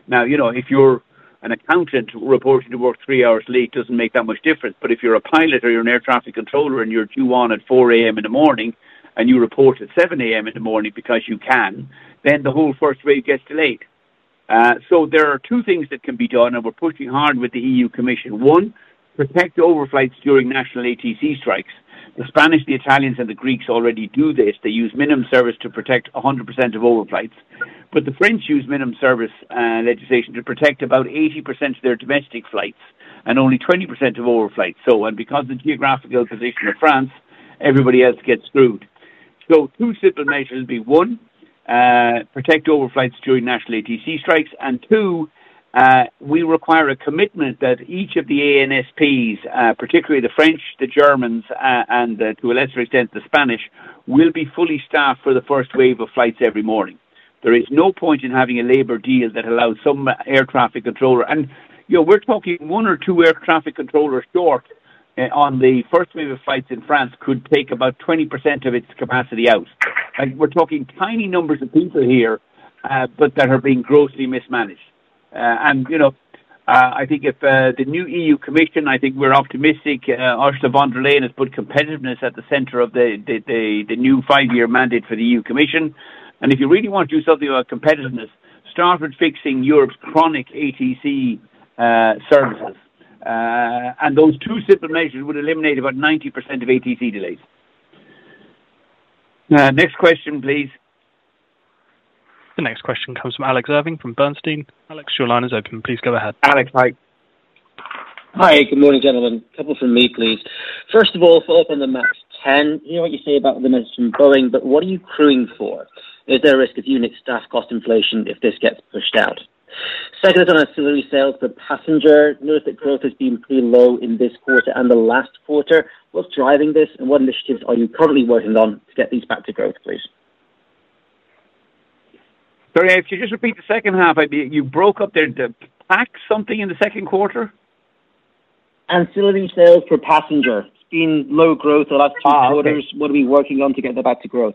Now, if you're an accountant, reporting to work three hours late doesn't make that much difference. But if you're a pilot or you're an air traffic controller and you're due on at 4:00 A.M. in the morning and you report at 7:00 A.M. in the morning because you can, then the whole first wave gets delayed. So there are two things that can be done, and we're pushing hard with the EU Commission. One, protect overflights during national ATC strikes. The Spanish, the Italians, and the Greeks already do this. They use minimum service to protect 100% of overflights. But the French use minimum service legislation to protect about 80% of their domestic flights and only 20% of overflights. And because of the geographical position of France, everybody else gets screwed. So two simple measures would be one, protect overflights during national ATC strikes. And two, we require a commitment that each of the ANSPs, particularly the French, the Germans, and to a lesser extent, the Spanish, will be fully staffed for the first wave of flights every morning. There is no point in having a labor deal that allows some air traffic controller and we're talking one or two air traffic controllers short on the first wave of flights in France could take about 20% of its capacity out. We're talking tiny numbers of people here, but that are being grossly mismanaged. And I think if the new EU Commission, I think we're optimistic. Ursula von der Leyen has put competitiveness at the center of the new five-year mandate for the EU Commission. If you really want to do something about competitiveness, start with fixing Europe's chronic ATC services. Those two simple measures would eliminate about 90% of ATC delays. Next question, please. The next question comes from Alex Irving from Bernstein. Alex, your line is open. Please go ahead. Alex, hi. Hi. Good morning, gentlemen. A couple from me, please. First of all, follow up on the MAX 10. You know what you say about the message from Boeing, but what are you crewing for? Is there a risk of unit staff cost inflation if this gets pushed out? Second, on ancillary sales per passenger, notice that growth has been pretty low in this quarter and the last quarter. What's driving this, and what initiatives are you currently working on to get these back to growth, please? Sorry, could you just repeat the second half? You broke up there. pax something in the second quarter? Ancillary sales per passenger. It's been low growth the last two quarters. What are we working on to get that back to growth?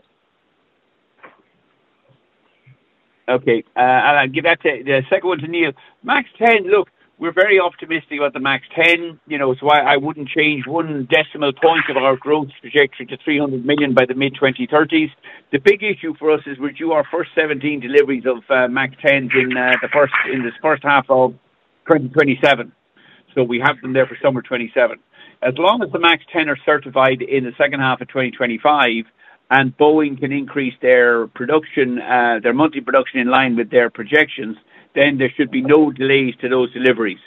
Okay. I'll give that to the second one to Neil. MAX 10, look, we're very optimistic about the MAX 10. So I wouldn't change one decimal point of our growth trajectory to 300 million by the mid-2030s. The big issue for us is we do our first 17 deliveries of MAX 10s in this first half of 2027. So we have them there for summer 2027. As long as the MAX 10 are certified in the second half of 2025 and Boeing can increase their monthly production in line with their projections, then there should be no delays to those deliveries.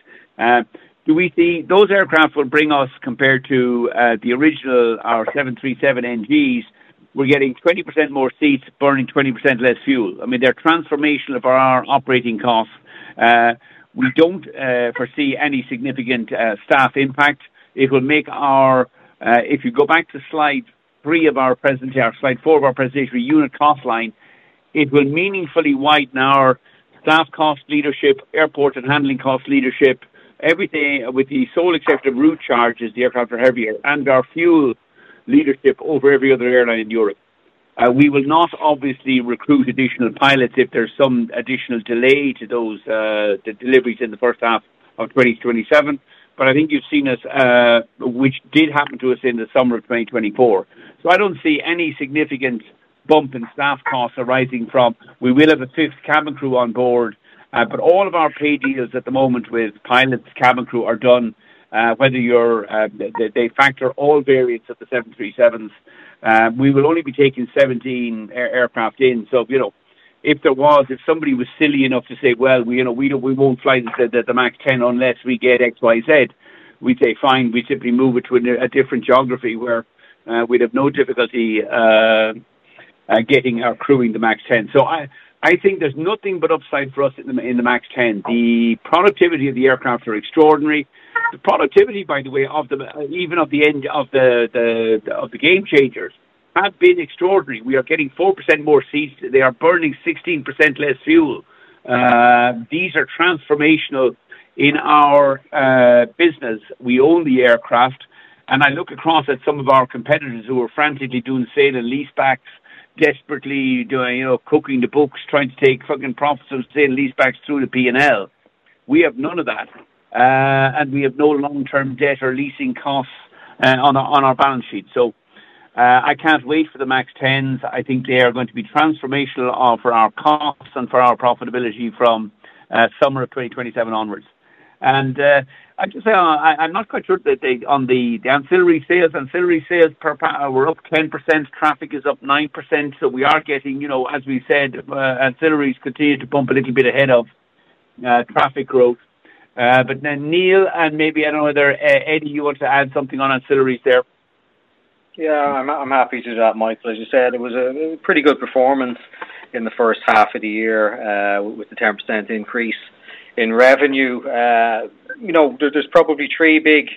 Those aircraft will bring us compared to the original, our 737NGs, we're getting 20% more seats, burning 20% less fuel. I mean, they're transformational for our operating costs. We don't foresee any significant staff impact. It will make our if you go back to slide three of our presentation, or slide four of our presentation for unit cost line, it will meaningfully widen our staff cost leadership, airport and handling cost leadership, everything with the sole exception of route charges, the aircraft are heavier, and our fuel leadership over every other airline in Europe. We will not obviously recruit additional pilots if there's some additional delay to those deliveries in the first half of 2027, but I think you've seen us which did happen to us in the summer of 2024. So I don't see any significant bump in staff costs arising from we will have a fifth cabin crew on board, but all of our pay deals at the moment with pilots, cabin crew are done, whether you're they factor all variants of the 737s. We will only be taking 17 aircraft in. So if somebody was silly enough to say, "Well, we won't fly the MAX 10 unless we get XYZ," we'd say, "Fine." We'd simply move it to a different geography where we'd have no difficulty getting our crew in the MAX 10. So I think there's nothing but upside for us in the MAX 10. The productivity of the aircraft are extraordinary. The productivity, by the way, even at the end of the game changers, have been extraordinary. We are getting 4% more seats. They are burning 16% less fuel. These are transformational in our business. We own the aircraft. And I look across at some of our competitors who are frantically doing sale and lease backs, desperately cooking the books, trying to take fucking profits from sale and lease backs through the P&L. We have none of that. And we have no long-term debt or leasing costs on our balance sheet. So I can't wait for the MAX 10s. I think they are going to be transformational for our costs and for our profitability from summer of 2027 onwards. And I'm not quite sure that on the ancillary sales, ancillary sales were up 10%. Traffic is up 9%. So we are getting, as we said, ancillaries continue to bump a little bit ahead of traffic growth. But then, Neil, and maybe I don't know whether, Eddie, you want to add something on ancillaries there? Yeah. I'm happy to do that, Michael. As you said, it was a pretty good performance in the first half of the year with the 10% increase in revenue. There's probably three big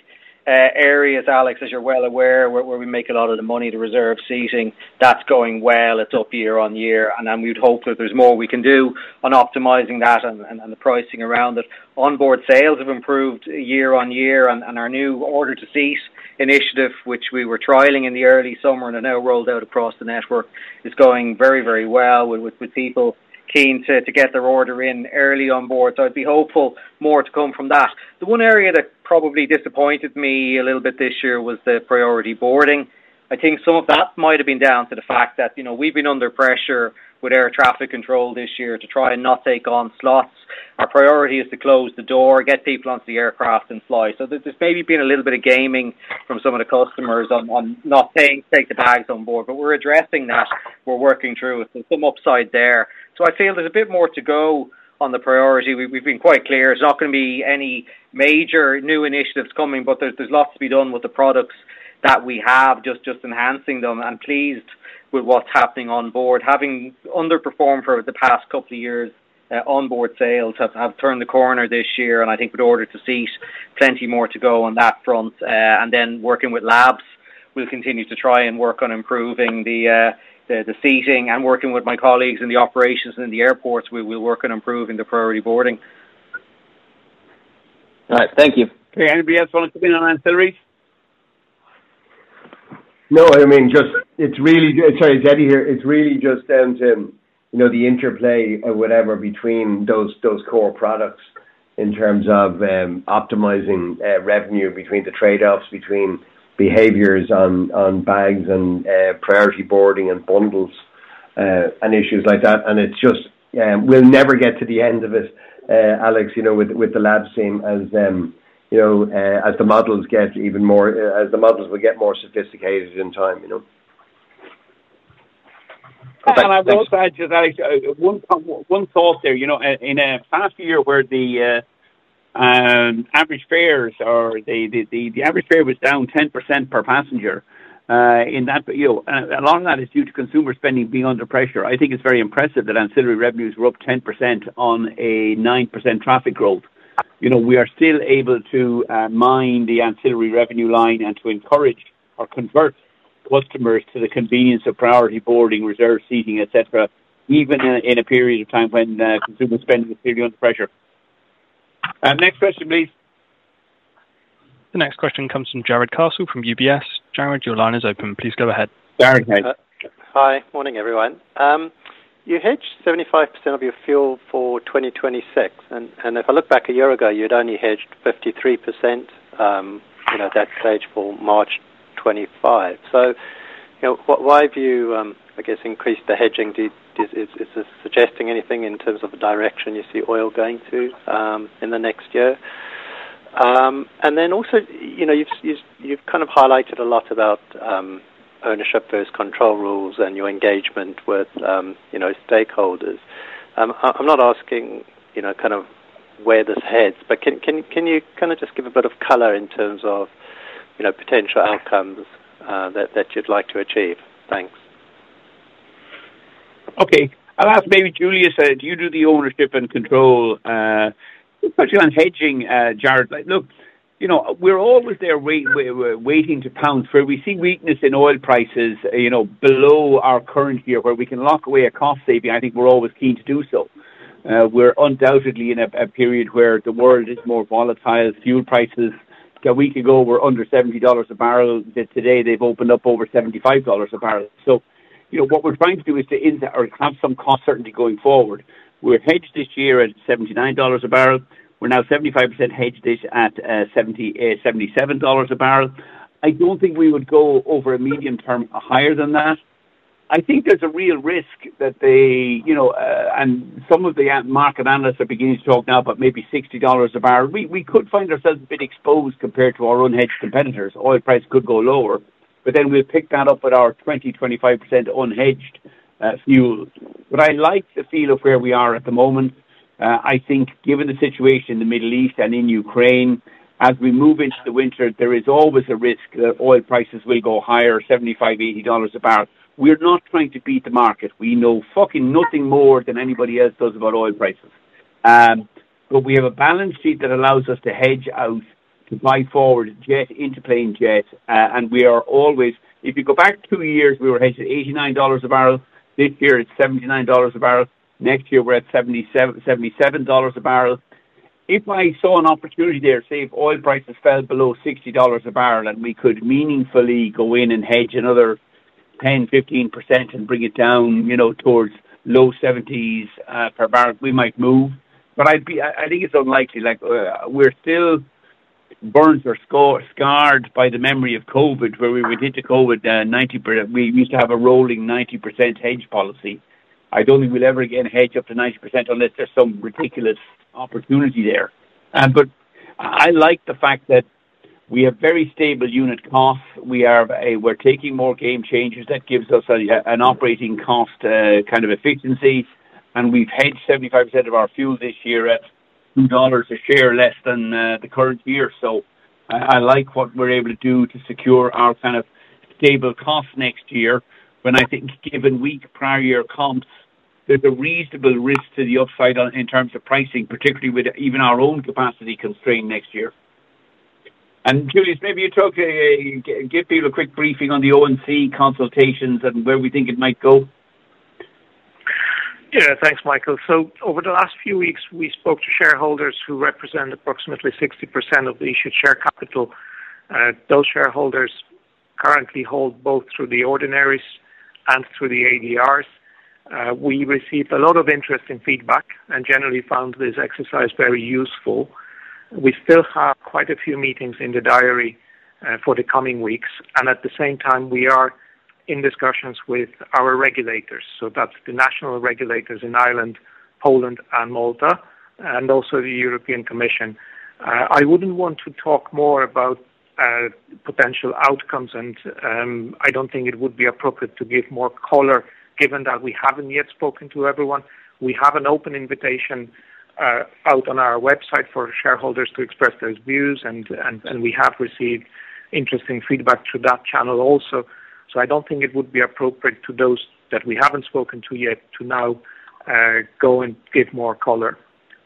areas, Alex, as you're well aware, where we make a lot of the money, the reserve seating. That's going well. It's up year on year. And then we'd hope that there's more we can do on optimizing that and the pricing around it. Onboard sales have improved year on year. Our new order-to-seat initiative, which we were trialing in the early summer and have now rolled out across the network, is going very, very well with people keen to get their order in early onboard. I'd be hopeful more to come from that. The one area that probably disappointed me a little bit this year was the priority boarding. I think some of that might have been down to the fact that we've been under pressure with air traffic control this year to try and not take on slots. Our priority is to close the door, get people onto the aircraft, and fly. There's maybe been a little bit of gaming from some of the customers on not taking the bags on board. We're addressing that. We're working through it. There's some upside there. I feel there's a bit more to go on the priority. We've been quite clear. There's not going to be any major new initiatives coming, but there's lots to be done with the products that we have, just enhancing them and pleased with what's happening on board. Having underperformed for the past couple of years, onboard sales have turned the corner this year. And I think with order-to-seat, plenty more to go on that front and then working with Labs, we'll continue to try and work on improving the seating. And working with my colleagues in the operations and in the airports, we will work on improving the priority boarding. All right. Thank you. Okay. Anybody else want to come in on ancillaries? No. I mean, just sorry, it's Eddie here. It's really just down to the interplay or whatever between those core products in terms of optimizing revenue between the trade-offs between behaviors on bags and priority boarding and bundles and issues like that. And we'll never get to the end of it, Alex, with the Labs seen as the models get even more as the models will get more sophisticated in time. And I'll go back to that. One thought there. In a past year where the average fares or the average fare was down 10% per passenger, a lot of that is due to consumer spending being under pressure. I think it's very impressive that ancillary revenues were up 10% on a 9% traffic growth. We are still able to mine the ancillary revenue line and to encourage or convert customers to the convenience of priority boarding, reserve seating, etc., even in a period of time when consumer spending is clearly under pressure. Next question, please. The next question comes from Jarrod Castle from UBS. Jarrod, your line is open. Please go ahead. Jarrod, hi. Hi. Morning, everyone. You hedged 75% of your fuel for 2026. And if I look back a year ago, you'd only hedged 53% at that stage for March 2025. So why have you, I guess, increased the hedging? Is this suggesting anything in terms of the direction you see oil going to in the next year? And then also, you've kind of highlighted a lot about ownership versus control rules and your engagement with stakeholders. I'm not asking kind of where this heads, but can you kind of just give a bit of color in terms of potential outcomes that you'd like to achieve? Thanks. Okay. I'll ask maybe Julius said, you do the ownership and control. Especially on hedging, Jarrod. Look, we're always there waiting to pound through. We see weakness in oil prices below our current year where we can lock away a cost saving. I think we're always keen to do so. We're undoubtedly in a period where the world is more volatile. Fuel prices, a week ago, were under $70 a barrel. Today, they've opened up over $75 a barrel. So what we're trying to do is to have some cost certainty going forward. We're hedged this year at $79 a barrel. We're now 75% hedged at $77 a barrel. I don't think we would go over a medium-term higher than that. I think there's a real risk that, and some of the market analysts are beginning to talk now about maybe $60 a barrel. We could find ourselves a bit exposed compared to our own hedged competitors. Oil price could go lower, but then we'll pick that up at our 20%-25% unhedged fuel. But I like the feel of where we are at the moment. I think given the situation in the Middle East and in Ukraine, as we move into the winter, there is always a risk that oil prices will go higher, $75-$80 a barrel. We're not trying to beat the market. We know fucking nothing more than anybody else does about oil prices. But we have a balance sheet that allows us to hedge out, to buy forward jet fuel. We are always. If you go back two years, we were hedged at $89 a barrel. This year, it's $79 a barrel. Next year, we're at $77 a barrel. If I saw an opportunity there, say if oil prices fell below $60 a barrel and we could meaningfully go in and hedge another 10%-15% and bring it down towards low 70s per barrel, we might move. But I think it's unlikely. We're still burned or scarred by the memory of COVID, where we did the COVID 90. We used to have a rolling 90% hedge policy. I don't think we'll ever again hedge up to 90% unless there's some ridiculous opportunity there. But I like the fact that we have very stable unit costs. We're taking more Gamechangers. That gives us an operating cost kind of efficiency. We've hedged 75% of our fuel this year at $2 a barrel less than the current year. So I like what we're able to do to secure our kind of stable costs next year. I think, given weak prior year comps, there's a reasonable risk to the upside in terms of pricing, particularly with even our own capacity constraint next year. Julius, maybe you'd talk to give people a quick briefing on the O&C consultations and where we think it might go. Yeah. Thanks, Michael. So over the last few weeks, we spoke to shareholders who represent approximately 60% of the issued share capital. Those shareholders currently hold both through the ordinaries and through the ADRs. We received a lot of interesting feedback and generally found this exercise very useful. We still have quite a few meetings in the diary for the coming weeks. At the same time, we are in discussions with our regulators. That's the national regulators in Ireland, Poland, and Malta, and also the European Commission. I wouldn't want to talk more about potential outcomes, and I don't think it would be appropriate to give more color given that we haven't yet spoken to everyone. We have an open invitation out on our website for shareholders to express those views, and we have received interesting feedback through that channel also. I don't think it would be appropriate to those that we haven't spoken to yet to now go and give more color.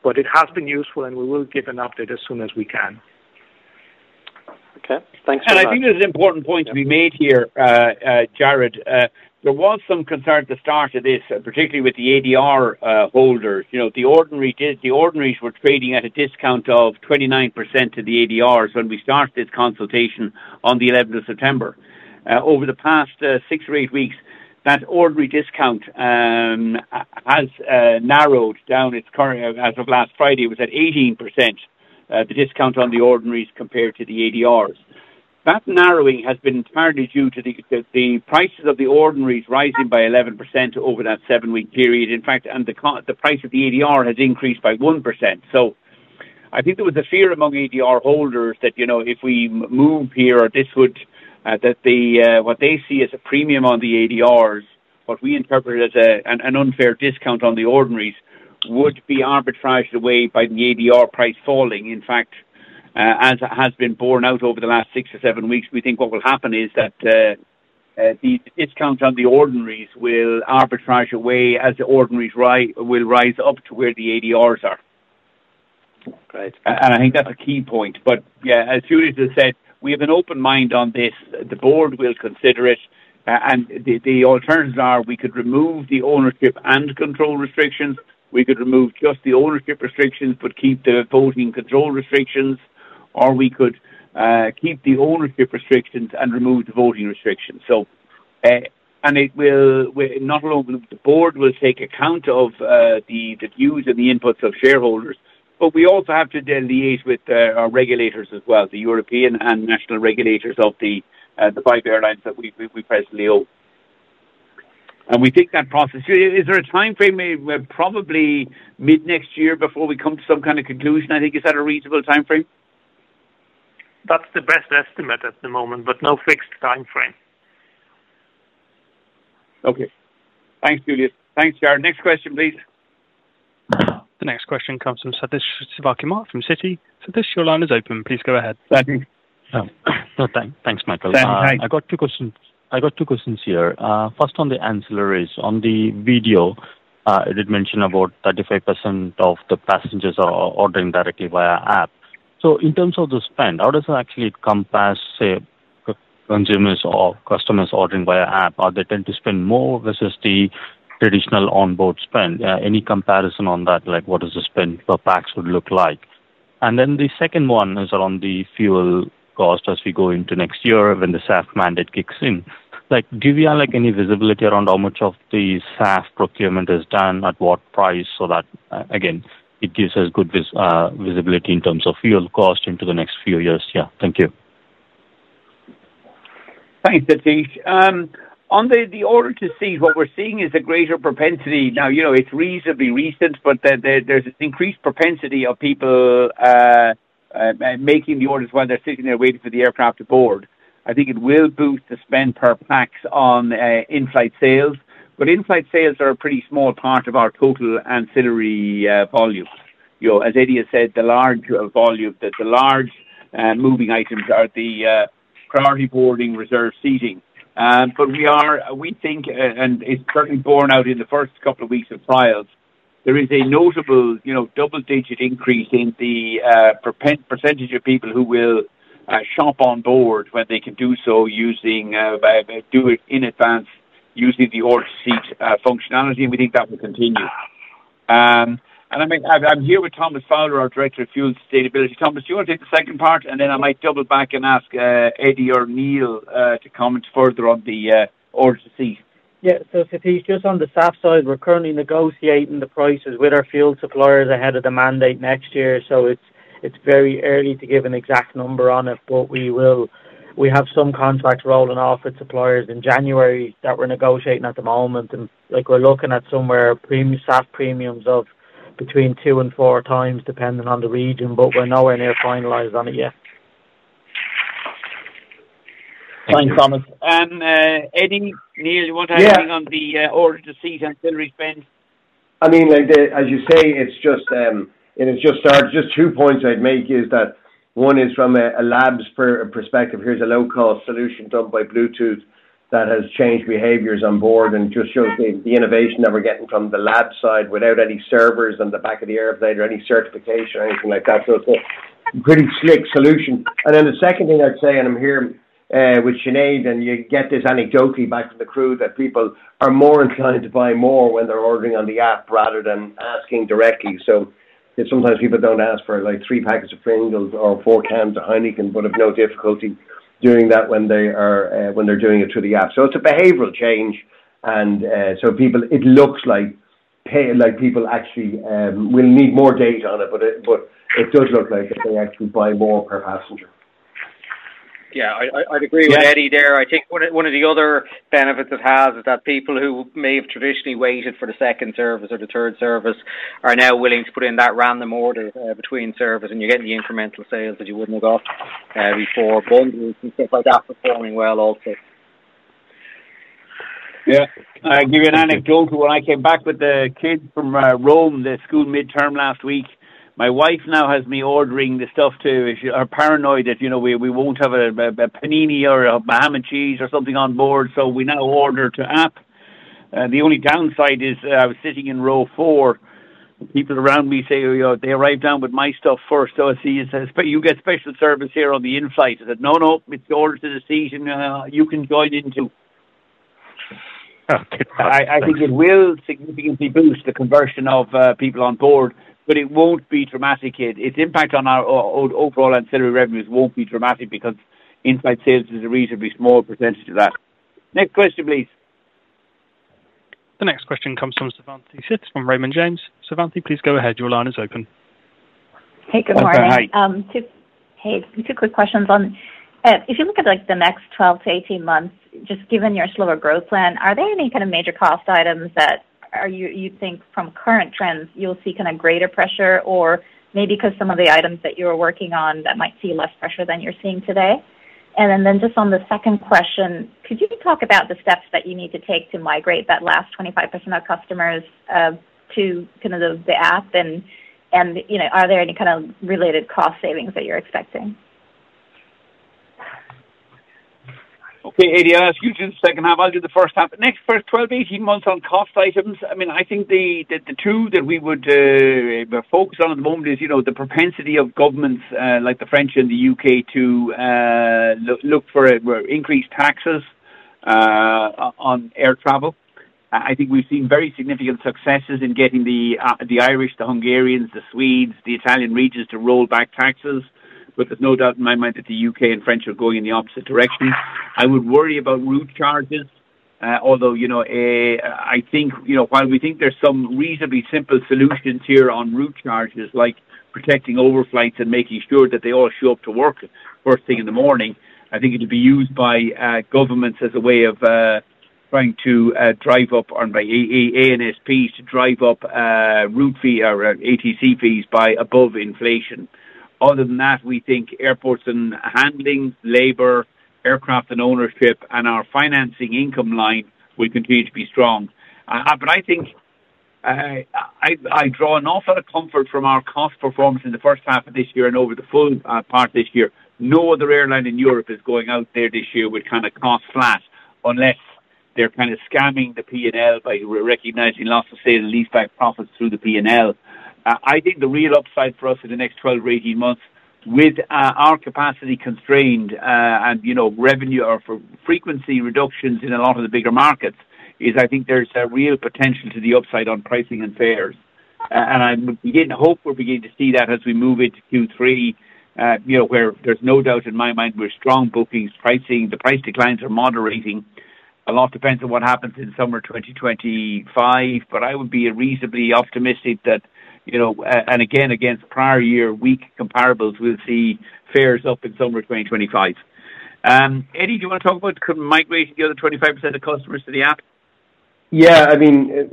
It has been useful, and we will give an update as soon as we can. Okay. Thanks for that. I think there's an important point to be made here, Jarrod. There was some concern at the start of this, particularly with the ADR holders. The ordinaries were trading at a discount of 29% to the ADRs when we started this consultation on the 11th of September. Over the past six or eight weeks, that ordinary discount has narrowed down. As of last Friday, it was at 18%, the discount on the ordinaries compared to the ADRs. That narrowing has been entirely due to the prices of the ordinaries rising by 11% over that seven-week period. In fact, the price of the ADR has increased by 1%. So I think there was a fear among ADR holders that if we move here, this would that what they see as a premium on the ADRs, what we interpreted as an unfair discount on the ordinaries, would be arbitraged away by the ADR price falling. In fact, as it has been borne out over the last six or seven weeks, we think what will happen is that the discount on the ordinaries will arbitrage away as the ordinaries will rise up to where the ADRs are. Right, and I think that's a key point, but yeah, as Julius has said, we have an open mind on this. The board will consider it, and the alternatives are we could remove the ownership and control restrictions. We could remove just the ownership restrictions but keep the voting control restrictions, or we could keep the ownership restrictions and remove the voting restrictions, and not alone, the board will take account of the views and the inputs of shareholders, but we also have to then liaise with our regulators as well, the European and national regulators of the five airlines that we presently own. And we think that process is there a timeframe? Probably mid-next year before we come to some kind of conclusion. I think is that a reasonable timeframe? That's the best estimate at the moment, but no fixed timeframe. Okay. Thanks, Julius. Thanks, Jarrod. Next question, please. The next question comes from Sathish Sivakumar from Citi. Sathish, your line is open. Please go ahead. Thanks, Michael. I got two questions. I got two questions here. First, on the ancillaries, on the video, it had mentioned about 35% of the passengers are ordering directly via app. So in terms of the spend, how does it actually compare, say, consumers or customers ordering via app? Are they tend to spend more versus the traditional onboard spend? Any comparison on that? What does the spend per pax look like? And then the second one is around the fuel cost as we go into next year when the SAF mandate kicks in. Do you have any visibility around how much of the SAF procurement is done at what price? So that, again, it gives us good visibility in terms of fuel cost into the next few years. Yeah. Thank you. Thanks, Sathish. On the order-to-seat, what we're seeing is a greater propensity. Now, it's reasonably recent, but there's an increased propensity of people making the orders while they're sitting there waiting for the aircraft to board. I think it will boost the spend per pax on in-flight sales. But in-flight sales are a pretty small part of our total ancillary volume. As Eddie has said, the large volume, the large moving items are the priority boarding, reserve seating. But we think, and it's certainly borne out in the first couple of weeks of trials, there is a notable double-digit increase in the percentage of people who will shop on board when they can do so using do it in advance using the order-to-seat functionality. And we think that will continue. And I'm here with Thomas Fowler, our director of fuel sustainability. Thomas, do you want to take the second part? And then I might double back and ask Eddie or Neil to comment further on the order-to-seat. Yeah. So Sathish, just on the SAF side, we're currently negotiating the prices with our fuel suppliers ahead of the mandate next year. So it's very early to give an exact number on it, but we have some contracts rolling off with suppliers in January that we're negotiating at the moment. And we're looking at somewhere premium SAF premiums of between two and four times depending on the region. But we're nowhere near finalized on it yet. Thanks, Thomas. And Eddie, Neil, you want to add anything on the order-to-seat ancillary spend? I mean, as you say, it's just started. Just two points I'd make is that one is from a Labs perspective. Here's a low-cost solution done via Bluetooth that has changed behaviors on board and just shows the innovation that we're getting from the Labs side without any servers on the back of the airplane or any certification or anything like that. So it's a pretty slick solution. And then the second thing I'd say, and I'm here with Sinead, and you get this anecdotally back from the crew that people are more inclined to buy more when they're ordering on the app rather than asking directly. So, sometimes people don't ask for three paxets of Pringles or four cans of Heineken, but have no difficulty doing that when they're doing it through the app. So, it's a behavioral change. And so it looks like people actually will need more data on it, but it does look like they actually buy more per passenger. Yeah. I'd agree with Eddie there. I think one of the other benefits it has is that people who may have traditionally waited for the second service or the third service are now willing to put in that random order between service, and you're getting the incremental sales that you wouldn't have got before bundles and stuff like that performing well also. Yeah. I'll give you an anecdote of when I came back with the kids from Rome, the school midterm last week. My wife now has me ordering the stuff too. She's paranoid that we won't have a panini or a ham and cheese or something on board. So we now order through the app. The only downside is I was sitting in row four. People around me say they arrived with my stuff first. So I say, "You get special service here on the inside." He said, "No, no. It's the order to the system. You can join in too." I think it will significantly boost the conversion of people on board, but it won't be dramatic. Its impact on our overall ancillary revenues won't be dramatic because inflight sales is a reasonably small percentage of that. Next question, please. The next question comes from Savanthi Syth from Raymond James. Savanthi, please go ahead. Your line is open. Hey, good morning. Hey. Just a few quick questions. If you look at the next 12 to 18 months, just given your slower growth plan, are there any kind of major cost items that you think from current trends you'll see kind of greater pressure or maybe because some of the items that you're working on that might see less pressure than you're seeing today? And then just on the second question, could you talk about the steps that you need to take to migrate that last 25% of customers to kind of the app? And are there any kind of related cost savings that you're expecting? Okay, Eddie, I'll ask you to do the second half. I'll do the first half. The next 12 to 18 months on cost items, I mean, I think the two that we would focus on at the moment is the propensity of governments like the French and the UK to look for increased taxes on air travel. I think we've seen very significant successes in getting the Irish, the Hungarians, the Swedes, the Italian regions to roll back taxes. But there's no doubt in my mind that the UK and French are going in the opposite direction. I would worry about route charges, although I think while we think there's some reasonably simple solutions here on route charges, like protecting overflights and making sure that they all show up to work first thing in the morning, I think it would be used by governments as a way of trying to drive up ANSPs to drive up route fee or ATC fees by above inflation. Other than that, we think airports and handling, labor, aircraft and ownership, and our financing income line will continue to be strong. But I think I draw enough of a comfort from our cost performance in the first half of this year and over the full part of this year. No other airline in Europe is going out there this year with kind of cost flat unless they're kind of scamming the P&L by recognizing loss of sale and lease back profits through the P&L. I think the real upside for us in the next 12-18 months, with our capacity constrained and revenue or frequency reductions in a lot of the bigger markets, is I think there's a real potential to the upside on pricing and fares. I begin to hope we're beginning to see that as we move into Q3, where there's no doubt in my mind we're seeing strong bookings. The price declines are moderating. A lot depends on what happens in summer 2025. But I would be reasonably optimistic that, and again, against prior year weak comparables, we'll see fares up in summer 2025. Eddie, do you want to talk about migrating the other 25% of customers to the app? Yeah. I mean,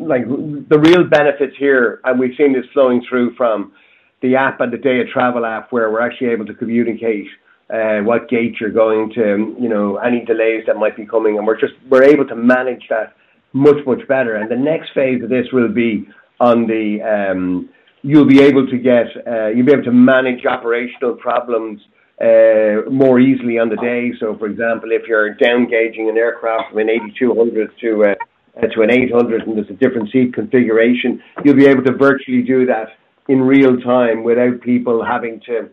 the real benefits here, and we've seen this flowing through from the app and the day-of-travel app, where we're actually able to communicate what gates you're going to, any delays that might be coming. And we're able to manage that much, much better. And the next phase of this will be on the app. You'll be able to manage operational problems more easily on the day. So, for example, if you're downgrading an aircraft from an 8200 to an 800 and there's a different seat configuration, you'll be able to virtually do that in real time without people having to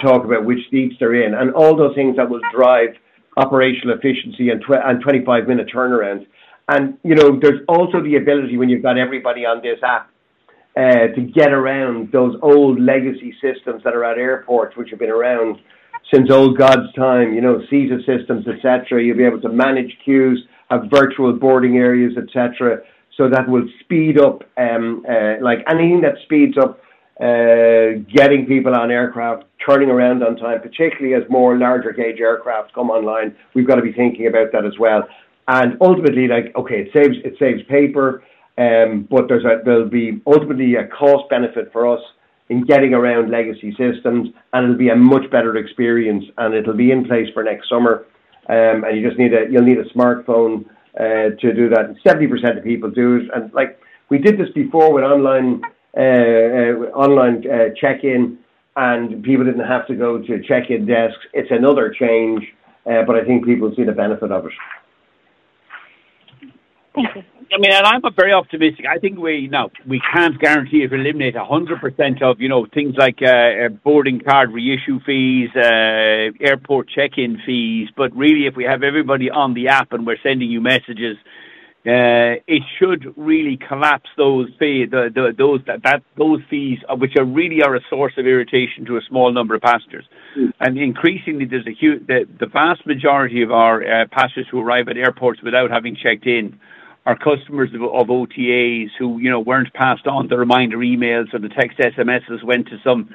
talk about which seats they're in. And all those things that will drive operational efficiency and 25-minute turnarounds. And there's also the ability, when you've got everybody on this app, to get around those old legacy systems that are at airports, which have been around since old God's time, Caesar systems, etc. You'll be able to manage queues of virtual boarding areas, etc. So that will speed up anything that speeds up getting people on aircraft, turning around on time, particularly as more larger gauge aircraft come online. We've got to be thinking about that as well. Ultimately, okay, it saves paper, but there'll be ultimately a cost benefit for us in getting around legacy systems, and it'll be a much better experience, and it'll be in place for next summer, and you'll need a smartphone to do that, and 70% of people do it. We did this before with online check-in, and people didn't have to go to check-in desks. It's another change, but I think people see the benefit of it. Thank you. I mean, I'm very optimistic. I think we can't guarantee or eliminate 100% of things like boarding card reissue fees, airport check-in fees, but really, if we have everybody on the app and we're sending you messages, it should really collapse those fees, which really are a source of irritation to a small number of passengers. Increasingly, the vast majority of our passengers who arrive at airports without having checked in are customers of OTAs who weren't passed on the reminder emails or the text SMSs went to some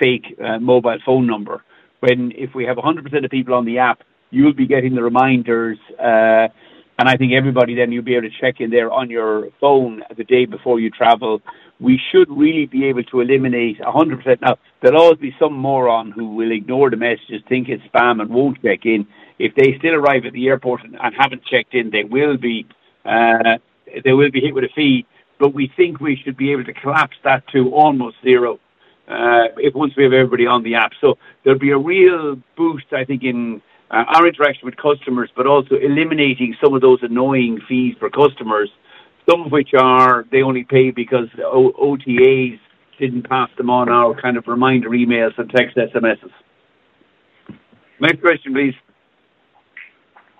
fake mobile phone number. When if we have 100% of people on the app, you'll be getting the reminders. I think everybody then you'll be able to check in there on your phone the day before you travel. We should really be able to eliminate 100%. Now, there'll always be some moron who will ignore the messages, think it's spam, and won't check in. If they still arrive at the airport and haven't checked in, they will be hit with a fee. We think we should be able to collapse that to almost zero once we have everybody on the app. So there'll be a real boost, I think, in our interaction with customers, but also eliminating some of those annoying fees for customers, some of which they only pay because OTAs didn't pass them on our kind of reminder emails and text SMSs. Next question, please.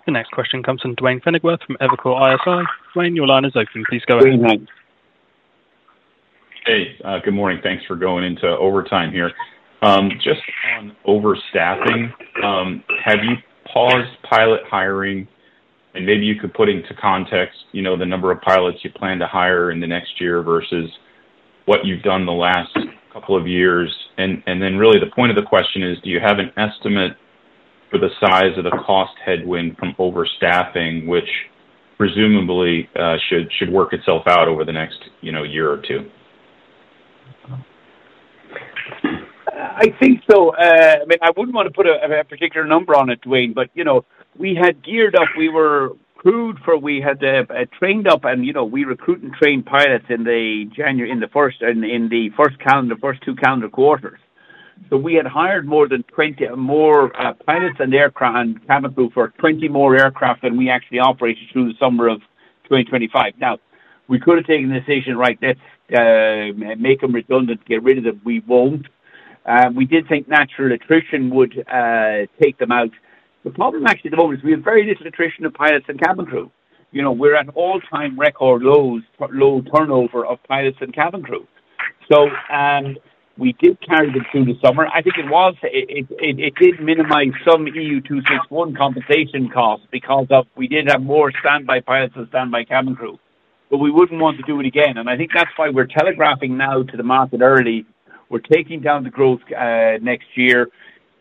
The next question comes from Duane Pfennigwerth from Evercore ISI. Duane, your line is open. Please go ahead. Hey. Good morning. Thanks for going into overtime here. Just on overstaffing, have you paused pilot hiring? And maybe you could put into context the number of pilots you plan to hire in the next year versus what you've done the last couple of years. And then really, the point of the question is, do you have an estimate for the size of the cost headwind from overstaffing, which presumably should work itself out over the next year or two? I think so. I mean, I wouldn't want to put a particular number on it, Duane, but we had geared up. We were crewed for we had trained up, and we recruit and train pilots in the first calendar, first two calendar quarters. So we had hired more than 20 more pilots and cabin crew for 20 more aircraft than we actually operated through the summer of 2025. Now, we could have taken the decision right there, make them redundant, get rid of them. We won't. We did think natural attrition would take them out. The problem actually at the moment is we have very little attrition of pilots and cabin crew. We're at all-time record low turnover of pilots and cabin crew. So we did carry them through the summer. I think it did minimize some EU261 compensation costs because we did have more standby pilots and standby cabin crew. But we wouldn't want to do it again. I think that's why we're telegraphing now to the market early. We're taking down the growth next year.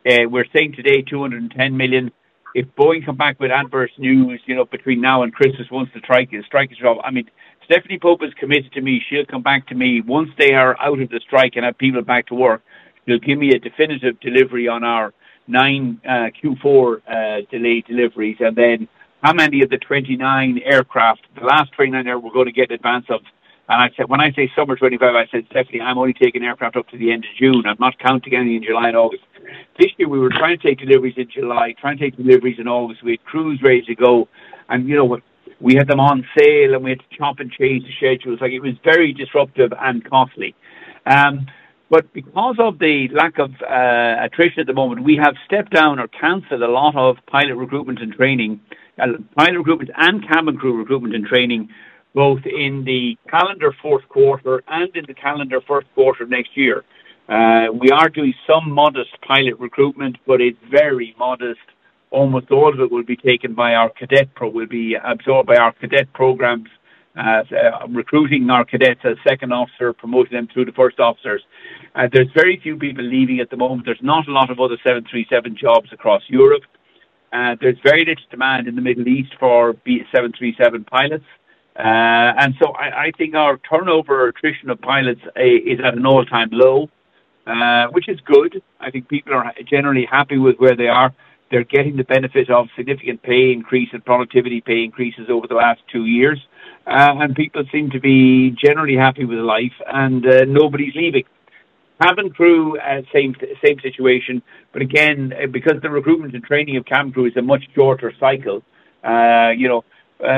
We're saying today 210 million. If Boeing come back with adverse news between now and Christmas once the strike is over, I mean, Stephanie Pope has committed to me. She'll come back to me once they are out of the strike and have people back to work. She'll give me a definitive delivery on our nine Q4 delayed deliveries and then how many of the 29 aircraft, the last 29 aircraft we're going to get in advance of. And when I say summer 2025, I said, "Stephanie, I'm only taking aircraft up to the end of June. I'm not counting any in July and August." This year, we were trying to take deliveries in July, trying to take deliveries in August. We had crews ready to go, and we had them on sale, and we had to chop and chase the schedules. It was very disruptive and costly, but because of the lack of attrition at the moment, we have stepped down or canceled a lot of pilot recruitment and training, pilot recruitment and cabin crew recruitment and training, both in the calendar fourth quarter and in the calendar first quarter next year. We are doing some modest pilot recruitment, but it's very modest. Almost all of it will be absorbed by our cadet programs, recruiting our cadets as second officer, promoting them through to first officers. There's very few people leaving at the moment. There's not a lot of other 737 jobs across Europe. There's very little demand in the Middle East for 737 pilots. And so I think our turnover attrition of pilots is at an all-time low, which is good. I think people are generally happy with where they are. They're getting the benefit of significant pay increase and productivity pay increases over the last two years. And people seem to be generally happy with life, and nobody's leaving. Cabin crew, same situation. But again, because the recruitment and training of cabin crew is a much shorter cycle.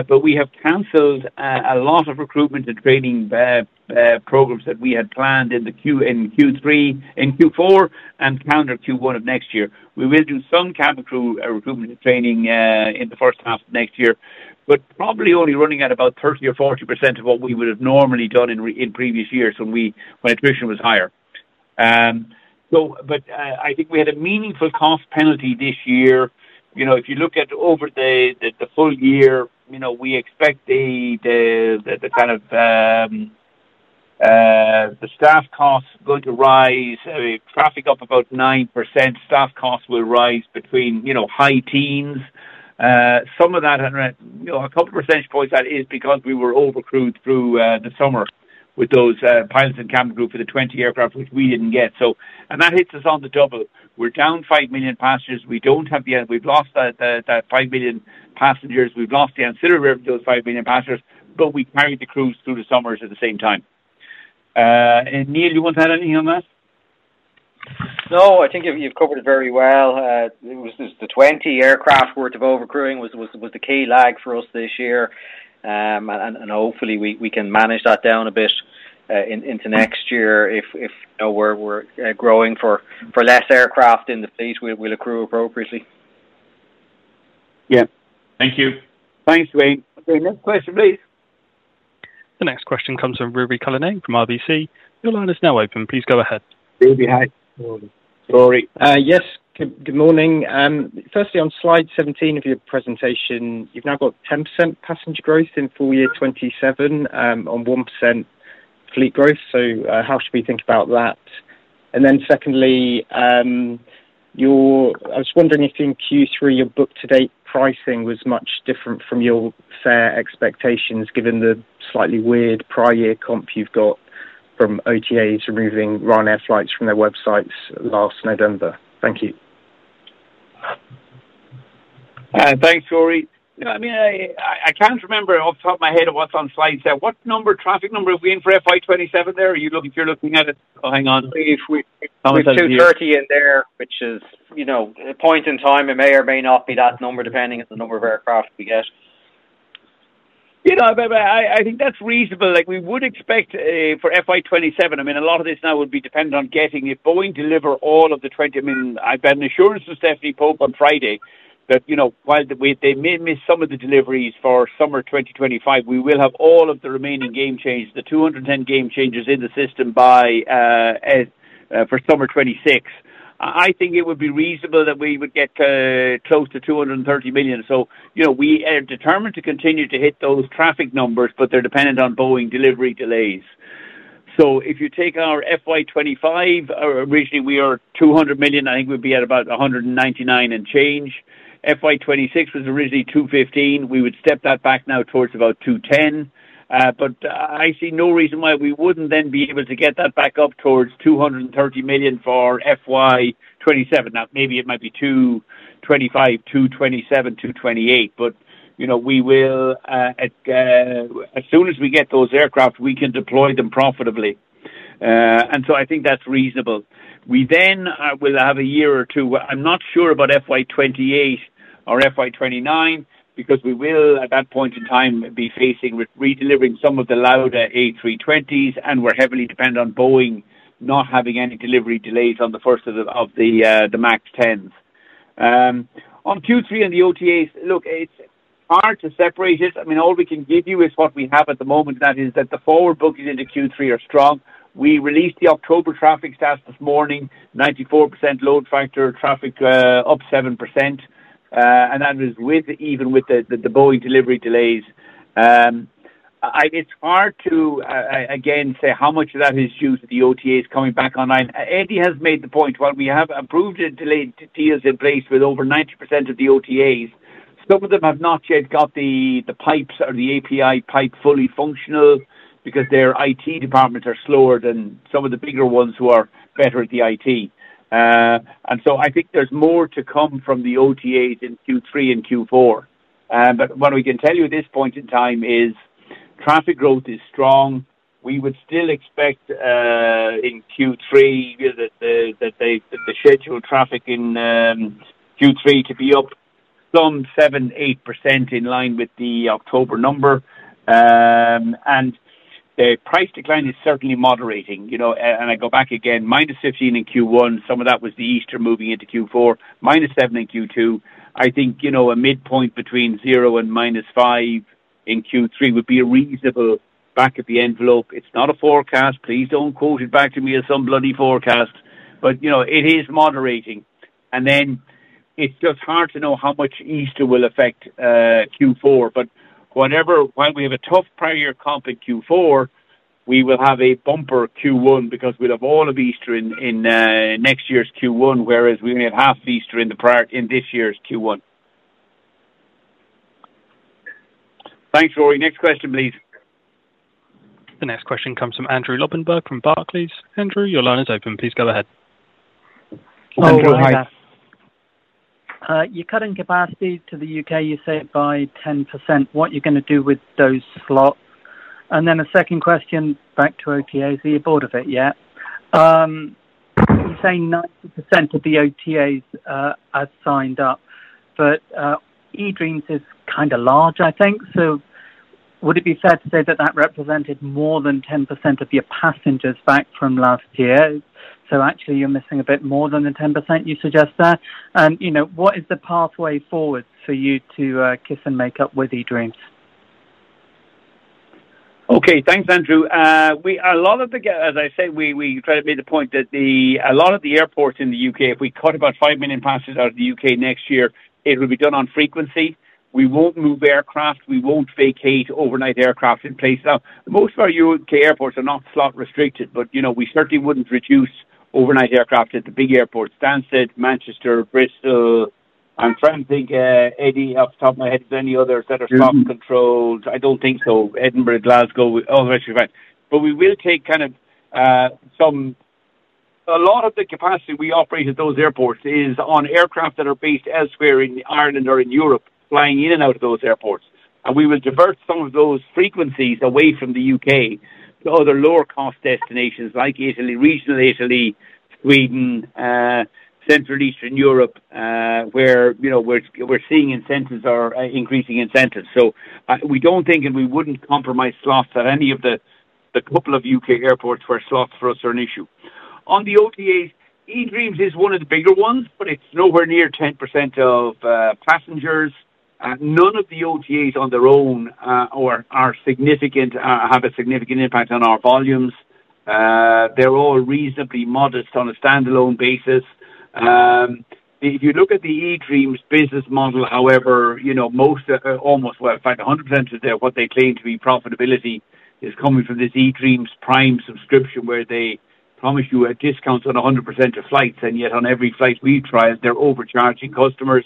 But we have canceled a lot of recruitment and training programs that we had planned in Q3, in Q4, and calendar Q1 of next year. We will do some cabin crew recruitment and training in the first half of next year, but probably only running at about 30% or 40% of what we would have normally done in previous years when attrition was higher. But I think we had a meaningful cost penalty this year. If you look at over the full year, we expect the kind of the staff costs going to rise, traffic up about 9%. Staff costs will rise between high teens. Some of that, a couple of percentage points, that is because we were overcrewed through the summer with those pilots and cabin crew for the 20 aircraft, which we didn't get. And that hits us on the double. We're down 5 million passengers. We don't have the—we've lost that 5 million passengers. We've lost the ancillary revenue of those 5 million passengers, but we carried the crews through the summers at the same time. Neil, you want to add anything on that? No, I think you've covered it very well. The 20 aircraft worth of overcrewing was the key lag for us this year. And hopefully, we can manage that down a bit into next year. If we're growing for less aircraft in the fleet, we'll accrue appropriately. Yeah. Thank you. Thanks, Duane. Okay, next question, please. The next question comes from Ruairi Cullinane from RBC. Your line is now open. Please go ahead. Ruairi, hi. Sorry. Yes, good morning. Firstly, on slide 17 of your presentation, you've now got 10% passenger growth in full year 2027 on 1% fleet growth. So how should we think about that? And then secondly, I was wondering if in Q3 your book-to-date pricing was much different from your fare expectations given the slightly weird prior year comp you've got from OTAs removing Ryanair flights from their websites last November. Thank you. Thanks, Ruairi. I mean, I can't remember off the top of my head what's on slide there. What traffic number have we in for FY27 there? Are you looking at it? Oh, hang on. If we put 230 in there, which is a point in time, it may or may not be that number depending on the number of aircraft we get. I think that's reasonable. We would expect for FY27. I mean, a lot of this now would be dependent on getting if Boeing delivers all of the 20. I mean, I've got an assurance from Stephanie Pope on Friday that while they may miss some of the deliveries for summer 2025, we will have all of the remaining Gamechangers, the 210 Gamechangers in the system for summer 2026. I think it would be reasonable that we would get close to 230 million. We are determined to continue to hit those traffic numbers, but they're dependent on Boeing delivery delays. So if you take our FY25, originally we were 200 million. I think we'd be at about 199 and change. FY26 was originally 215. We would step that back now towards about 210. But I see no reason why we wouldn't then be able to get that back up towards 230 million for FY27. Now, maybe it might be 225, 227, 228. But we will, as soon as we get those aircraft, we can deploy them profitably. And so I think that's reasonable. We then will have a year or two. I'm not sure about FY28 or FY29 because we will, at that point in time, be facing redelivering some of the older A320s, and we're heavily dependent on Boeing not having any delivery delays on the first of the MAX 10s. On Q3 and the OTAs, look, it's hard to separate it. I mean, all we can give you is what we have at the moment. That is that the forward bookings into Q3 are strong. We released the October traffic stats this morning, 94% load factor, traffic up 7%. And that was even with the Boeing delivery delays. It's hard to, again, say how much of that is due to the OTAs coming back online. Eddie has made the point. While we have approved delayed deals in place with over 90% of the OTAs, some of them have not yet got the pipes or the API pipe fully functional because their IT departments are slower than some of the bigger ones who are better at the IT. And so I think there's more to come from the OTAs in Q3 and Q4. But what we can tell you at this point in time is traffic growth is strong. We would still expect in Q3 that the scheduled traffic in Q3 to be up some 7-8% in line with the October number, and the price decline is certainly moderating. I go back again: minus 15% in Q1. Some of that was the Easter moving into Q4: minus 7% in Q2. I think a midpoint between 0% and minus 5% in Q3 would be a reasonable back of the envelope. It's not a forecast. Please don't quote it back to me as some bloody forecast, but it is moderating. Then it's just hard to know how much Easter will affect Q4, but while we have a tough prior year comp in Q4, we will have a bumper Q1 because we'll have all of Easter in next year's Q1, whereas we only have half Easter in this year's Q1. Thanks, Rory. Next question, please. The next question comes from Andrew Lobbenberg from Barclays. Andrew, your line is open. Please go ahead. Hello. Hi. You cut in capacity to the UK, you say, by 10%. What are you going to do with those slots? And then a second question back to OTAs. Are you bored of it yet? You say 90% of the OTAs are signed up, but eDreams is kind of large, I think. So would it be fair to say that that represented more than 10% of your passengers back from last year? So actually, you're missing a bit more than the 10% you suggest there. And what is the pathway forward for you to kiss and make up with eDreams? Okay. Thanks, Andrew. A lot of the, as I say, we try to make the point that a lot of the airports in the UK, if we cut about five million passengers out of the UK next year, it will be done on frequency. We won't move aircraft. We won't vacate overnight aircraft in place. Now, most of our UK airports are not slot restricted, but we certainly wouldn't reduce overnight aircraft at the big airports, Stansted, Manchester, Bristol. I'm trying to think, Eddie, off the top of my head, if there's any others that are slot controlled. I don't think so. Edinburgh, Glasgow, all the rest of you right. But we will take kind of a lot of the capacity we operate at those airports is on aircraft that are based elsewhere in Ireland or in Europe, flying in and out of those airports. We will divert some of those frequencies away from the UK to other lower-cost destinations like Italy, regional Italy, Sweden, Central Eastern Europe, where we're seeing incentives are increasing incentives. So we don't think, and we wouldn't compromise slots at any of the couple of UK airports where slots for us are an issue. On the OTAs, eDreams is one of the bigger ones, but it's nowhere near 10% of passengers. None of the OTAs on their own have a significant impact on our volumes. They're all reasonably modest on a standalone basis. If you look at the eDreams business model, however, almost, well, in fact, 100% of what they claim to be profitability is coming from this eDreams Prime subscription where they promise you a discount on 100% of flights. And yet, on every flight we've tried, they're overcharging customers.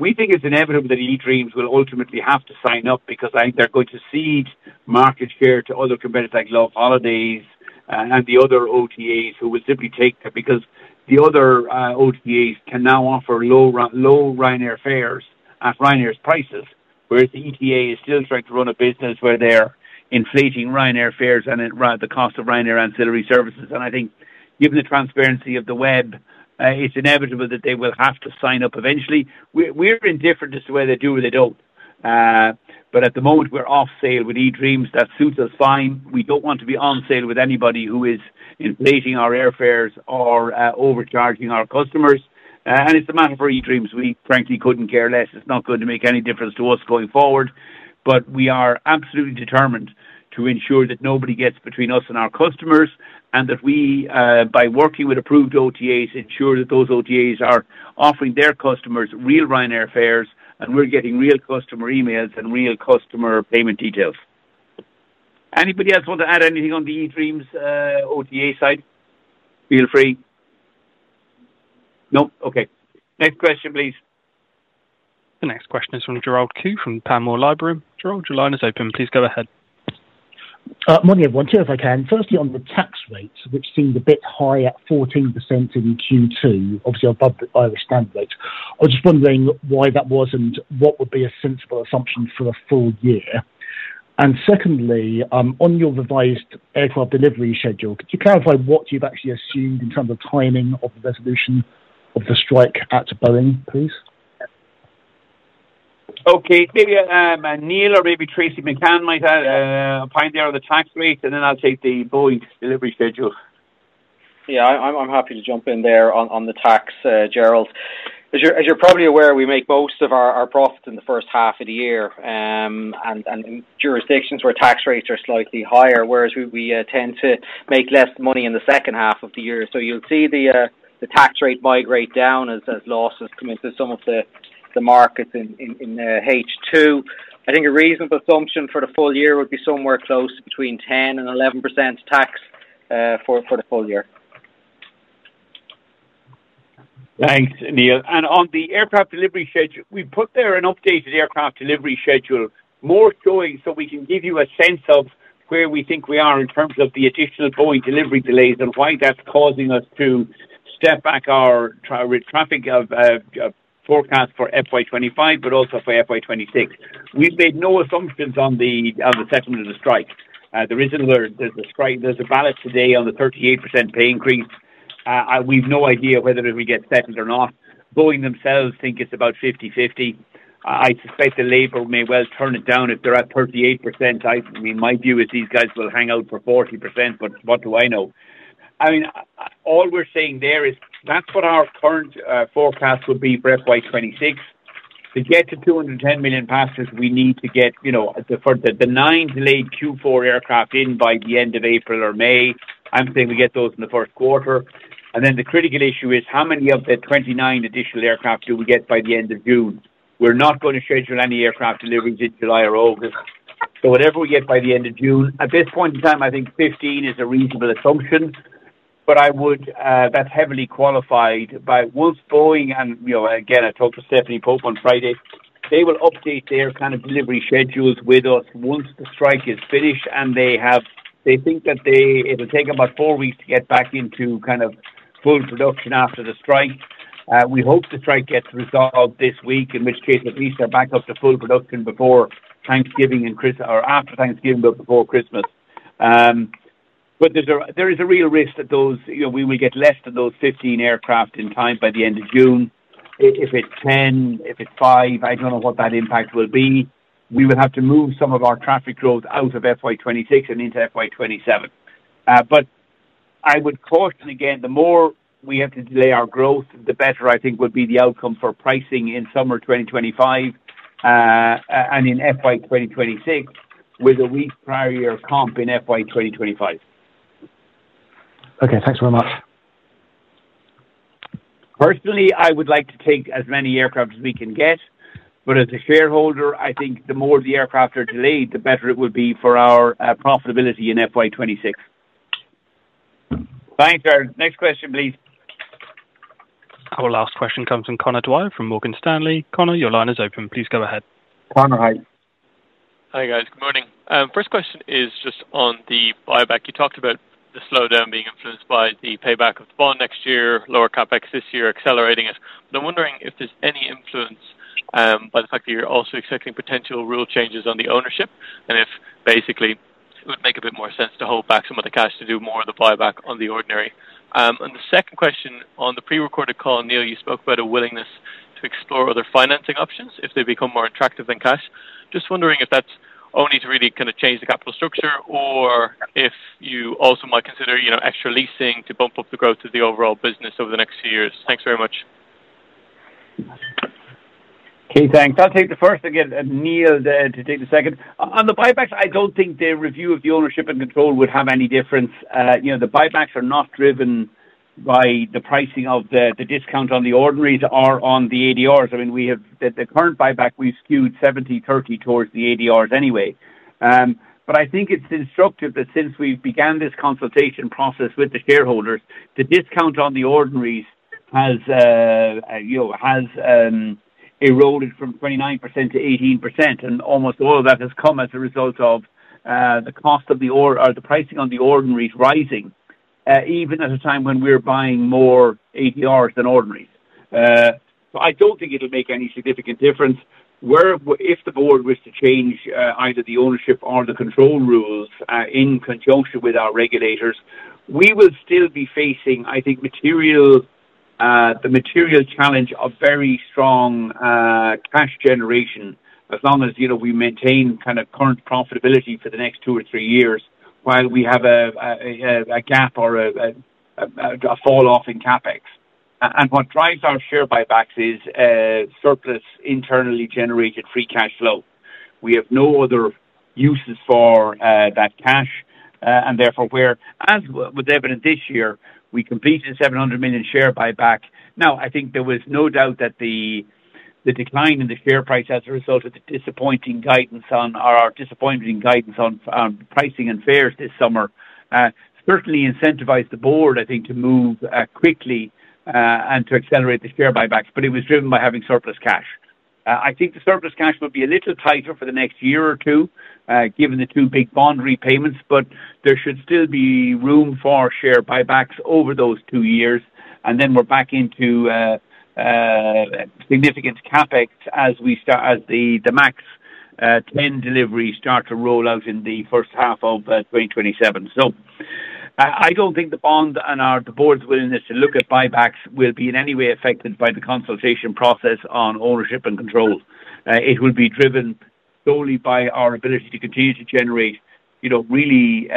We think it's inevitable that eDreams will ultimately have to sign up because I think they're going to cede market share to other competitors like Loveholidays and the other OTAs who will simply take because the other OTAs can now offer low Ryanair fares at Ryanair's prices, whereas the OTA is still trying to run a business where they're inflating Ryanair fares and the cost of Ryanair ancillary services, and I think, given the transparency of the web, it's inevitable that they will have to sign up eventually. We're indifferent as to whether they do or they don't, but at the moment, we're off-sale with eDreams. That suits us fine. We don't want to be on-sale with anybody who is inflating our airfares or overcharging our customers, and it's a matter for eDreams. We, frankly, couldn't care less. It's not going to make any difference to us going forward. But we are absolutely determined to ensure that nobody gets between us and our customers and that we, by working with approved OTAs, ensure that those OTAs are offering their customers real Ryanair fares, and we're getting real customer emails and real customer payment details. Anybody else want to add anything on the eDreams OTA side? Feel free. No? Okay. Next question, please. The next question is from Gerald Khoo from Panmure Liberum. Gerald, your line is open. Please go ahead. Monday, I want to, if I can, firstly on the tax rates, which seemed a bit high at 14% in Q2. Obviously, I'll bump it by the standard rates. I was just wondering why that wasn't what would be a sensible assumption for a full year. Secondly, on your revised aircraft delivery schedule, could you clarify what you've actually assumed in terms of timing of the resolution of the strike at Boeing, please? Okay. Maybe Neil or maybe Tracey McCann might find out the tax rate, and then I'll take the Boeing delivery schedule. Yeah, I'm happy to jump in there on the tax, Gerald. As you're probably aware, we make most of our profit in the first half of the year and in jurisdictions where tax rates are slightly higher, whereas we tend to make less money in the second half of the year. So you'll see the tax rate migrate down as losses come into some of the markets in H2. I think a reasonable assumption for the full year would be somewhere close to between 10% and 11% tax for the full year. Thanks, Neil. On the aircraft delivery schedule, we put there an updated aircraft delivery schedule, more showing so we can give you a sense of where we think we are in terms of the additional Boeing delivery delays and why that's causing us to step back our traffic forecast for FY25, but also for FY26. We've made no assumptions on the settlement of the strike. There is a ballot today on the 38% pay increase. We've no idea whether we get settled or not. Boeing themselves think it's about 50/50. I suspect the labor may well turn it down if they're at 38%. My view is these guys will hang out for 40%, but what do I know? I mean, all we're saying there is that's what our current forecast would be for FY26. To get to 210 million passengers, we need to get the nine delayed Q4 aircraft in by the end of April or May. I'm saying we get those in the first quarter, and then the critical issue is how many of the 29 additional aircraft do we get by the end of June? We're not going to schedule any aircraft deliveries in July or August. So whatever we get by the end of June, at this point in time, I think 15 is a reasonable assumption, but that's heavily qualified. But once Boeing and, again, I talked to Stephanie Pope on Friday, they will update their kind of delivery schedules with us once the strike is finished, and they think that it will take about four weeks to get back into kind of full production after the strike. We hope the strike gets resolved this week, in which case at least they're back up to full production before Thanksgiving and Christmas or after Thanksgiving, but before Christmas. But there is a real risk that we will get less than those 15 aircraft in time by the end of June. If it's 10, if it's five, I don't know what that impact will be. We will have to move some of our traffic growth out of FY26 and into FY27. But I would caution, again, the more we have to delay our growth, the better I think would be the outcome for pricing in summer 2025 and in FY26 with a weaker prior year comp in FY25. Okay. Thanks very much. Personally, I would like to take as many aircraft as we can get, but as a shareholder, I think the more the aircraft are delayed, the better it would be for our profitability in FY26. Thanks, Gerald. Next question, please. Our last question comes from Conor Dwyer from Morgan Stanley. Connor, your line is open. Please go ahead. Conor, hi. Hi, guys. Good morning. First question is just on the buyback. You talked about the slowdown being influenced by the payback of the bond next year, lower CapEx this year accelerating it. But I'm wondering if there's any influence by the fact that you're also expecting potential rule changes on the ownership. And if basically it would make a bit more sense to hold back some of the cash to do more of the buyback on the ordinary. The second question on the pre-recorded call, Neil, you spoke about a willingness to explore other financing options if they become more attractive than cash. Just wondering if that's only to really kind of change the capital structure or if you also might consider extra leasing to bump up the growth of the overall business over the next few years. Thanks very much. Okay. Thanks. I'll take the first again, Neil, to take the second. On the buybacks, I don't think the review of the ownership and control would have any difference. The buybacks are not driven by the pricing of the discount on the ordinaries or on the ADRs. I mean, the current buyback, we've skewed 70/30 towards the ADRs anyway. But I think it's instructive that since we've begun this consultation process with the shareholders, the discount on the ordinaries has eroded from 29% to 18%. Almost all of that has come as a result of the cost of the pricing on the ordinaries rising, even at a time when we're buying more ADRs than ordinaries. So I don't think it'll make any significant difference. If the board were to change either the ownership or the control rules in conjunction with our regulators, we will still be facing, I think, the material challenge of very strong cash generation as long as we maintain kind of current profitability for the next two or three years while we have a gap or a falloff in CapEx. And what drives our share buybacks is surplus internally generated free cash flow. We have no other uses for that cash, and therefore, with evidence this year, we completed a €700 million share buyback. Now, I think there was no doubt that the decline in the share price as a result of the disappointing guidance on our pricing and fares this summer certainly incentivized the board, I think, to move quickly and to accelerate the share buybacks. But it was driven by having surplus cash. I think the surplus cash will be a little tighter for the next year or two given the two big bond repayments, but there should still be room for share buybacks over those two years. And then we're back into significant CapEx as the MAX 10 deliveries start to roll out in the first half of 2027. So I don't think the board and the board's willingness to look at buybacks will be in any way affected by the consultation process on ownership and control. It will be driven solely by our ability to continue to generate really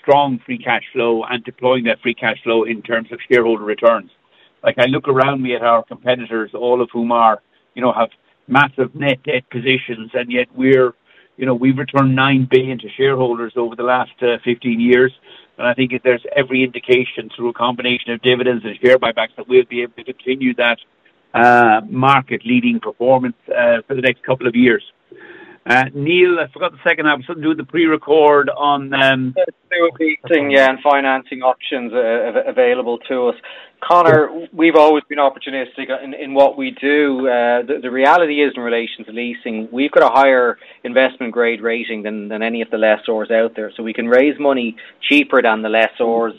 strong free cash flow and deploying that free cash flow in terms of shareholder returns. I look around me at our competitors, all of whom have massive net debt positions, and yet we've returned nine billion to shareholders over the last 15 years. I think there's every indication through a combination of dividends and share buybacks that we'll be able to continue that market-leading performance for the next couple of years. Neil, I forgot the second half. I'm still doing the pre-record on. There will be things, yeah, and financing options available to us. Conor, we've always been opportunistic in what we do. The reality is, in relation to leasing, we've got a higher investment-grade rating than any of the lessors out there. So we can raise money cheaper than the lessors.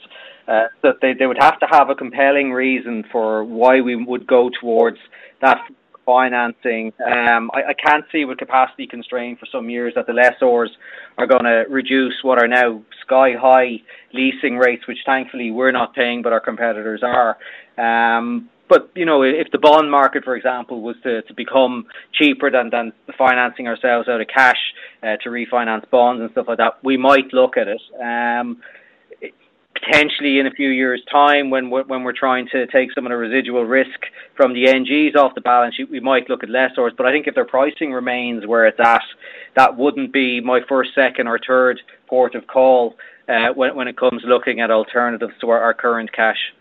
They would have to have a compelling reason for why we would go towards that financing. I can't see with capacity constraint for some years that the lessors are going to reduce what are now sky-high leasing rates, which thankfully we're not paying, but our competitors are. But if the bond market, for example, was to become cheaper than financing ourselves out of cash to refinance bonds and stuff like that, we might look at it. Potentially, in a few years' time, when we're trying to take some of the residual risk from the NGs off the balance sheet, we might look at lessors. But I think if their pricing remains where it's at, that wouldn't be my first, second, or third port of call when it comes to looking at alternatives to our current cash.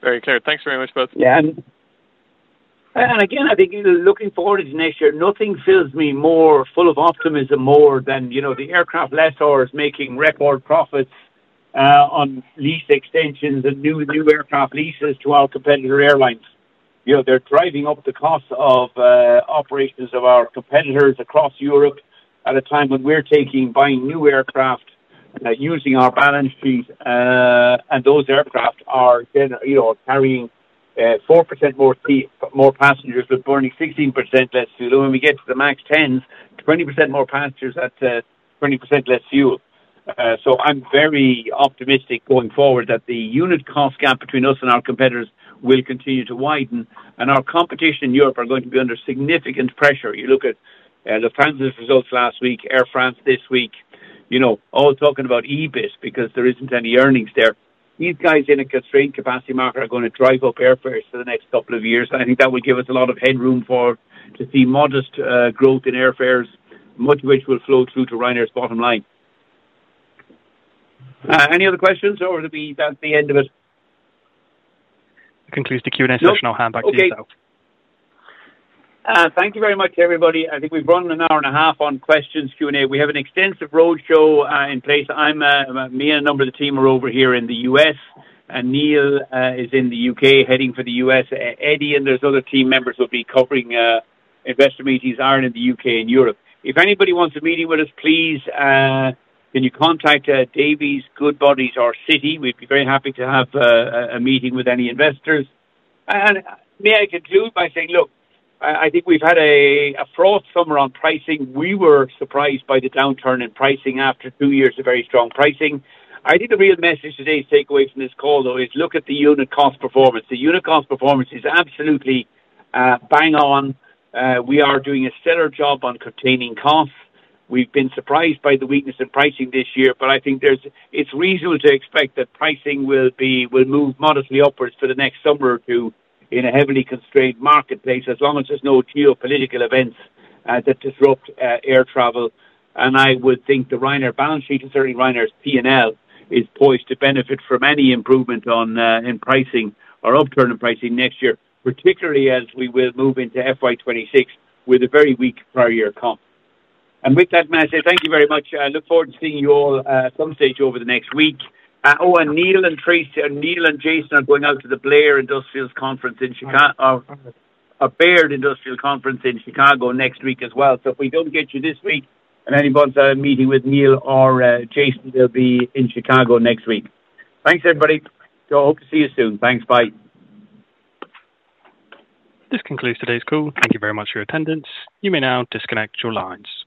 Very clear. Thanks very much, both. Yeah. And again, I think looking forward to next year, nothing fills me more full of optimism than the aircraft lessors making record profits on lease extensions and new aircraft leases to our competitor airlines. They're driving up the cost of operations of our competitors across Europe at a time when we're buying new aircraft using our balance sheet, and those aircraft are carrying 4% more passengers but burning 16% less fuel. And when we get to the MAX 10s, 20% more passengers at 20% less fuel. So I'm very optimistic going forward that the unit cost gap between us and our competitors will continue to widen, and our competition in Europe are going to be under significant pressure. You look at Lufthansa's results last week, Air France this week, all talking about EBITDA because there isn't any earnings there. These guys in a constrained capacity market are going to drive up airfares for the next couple of years. I think that will give us a lot of headroom to see modest growth in airfares, much of which will flow through to Ryanair's bottom line. Any other questions, or is that the end of it? Concludes the Q&A session. I'll hand back to you now. Okay. Thank you very much, everybody. I think we've run an hour and a half on questions, Q&A. We have an extensive roadshow in place. Me and a number of the team are over here in the US, and Neil is in the UK heading for the US. Eddie and there's other team members who will be covering investor meetings, Ireland in the UK and Europe. If anybody wants a meeting with us, please can you contact Davy, Goodbody, or Citi? We'd be very happy to have a meeting with any investors. May I conclude by saying, look, I think we've had a fraught summer on pricing. We were surprised by the downturn in pricing after two years of very strong pricing. I think the real message, today's takeaway from this call, though, is look at the unit cost performance. The unit cost performance is absolutely bang on. We are doing a stellar job on containing costs. We've been surprised by the weakness in pricing this year, but I think it's reasonable to expect that pricing will move modestly upwards for the next summer or two in a heavily constrained marketplace as long as there's no geopolitical events that disrupt air travel. And I would think the Ryanair balance sheet and certainly Ryanair's P&L is poised to benefit from any improvement in pricing or upturn in pricing next year, particularly as we will move into FY26 with a very weak prior year comp. And with that, Matt, thank you very much. I look forward to seeing you all at some stage over the next week. Oh, and Neil and Jason are going out to the Baird Industrial Conference in Chicago next week as well. So if we don't get you this week and anyone's had a meeting with Neil or Jason, they'll be in Chicago next week. Thanks, everybody. So I hope to see you soon. Thanks. Bye. This concludes today's call. Thank you very much for your attendance. You may now disconnect your lines.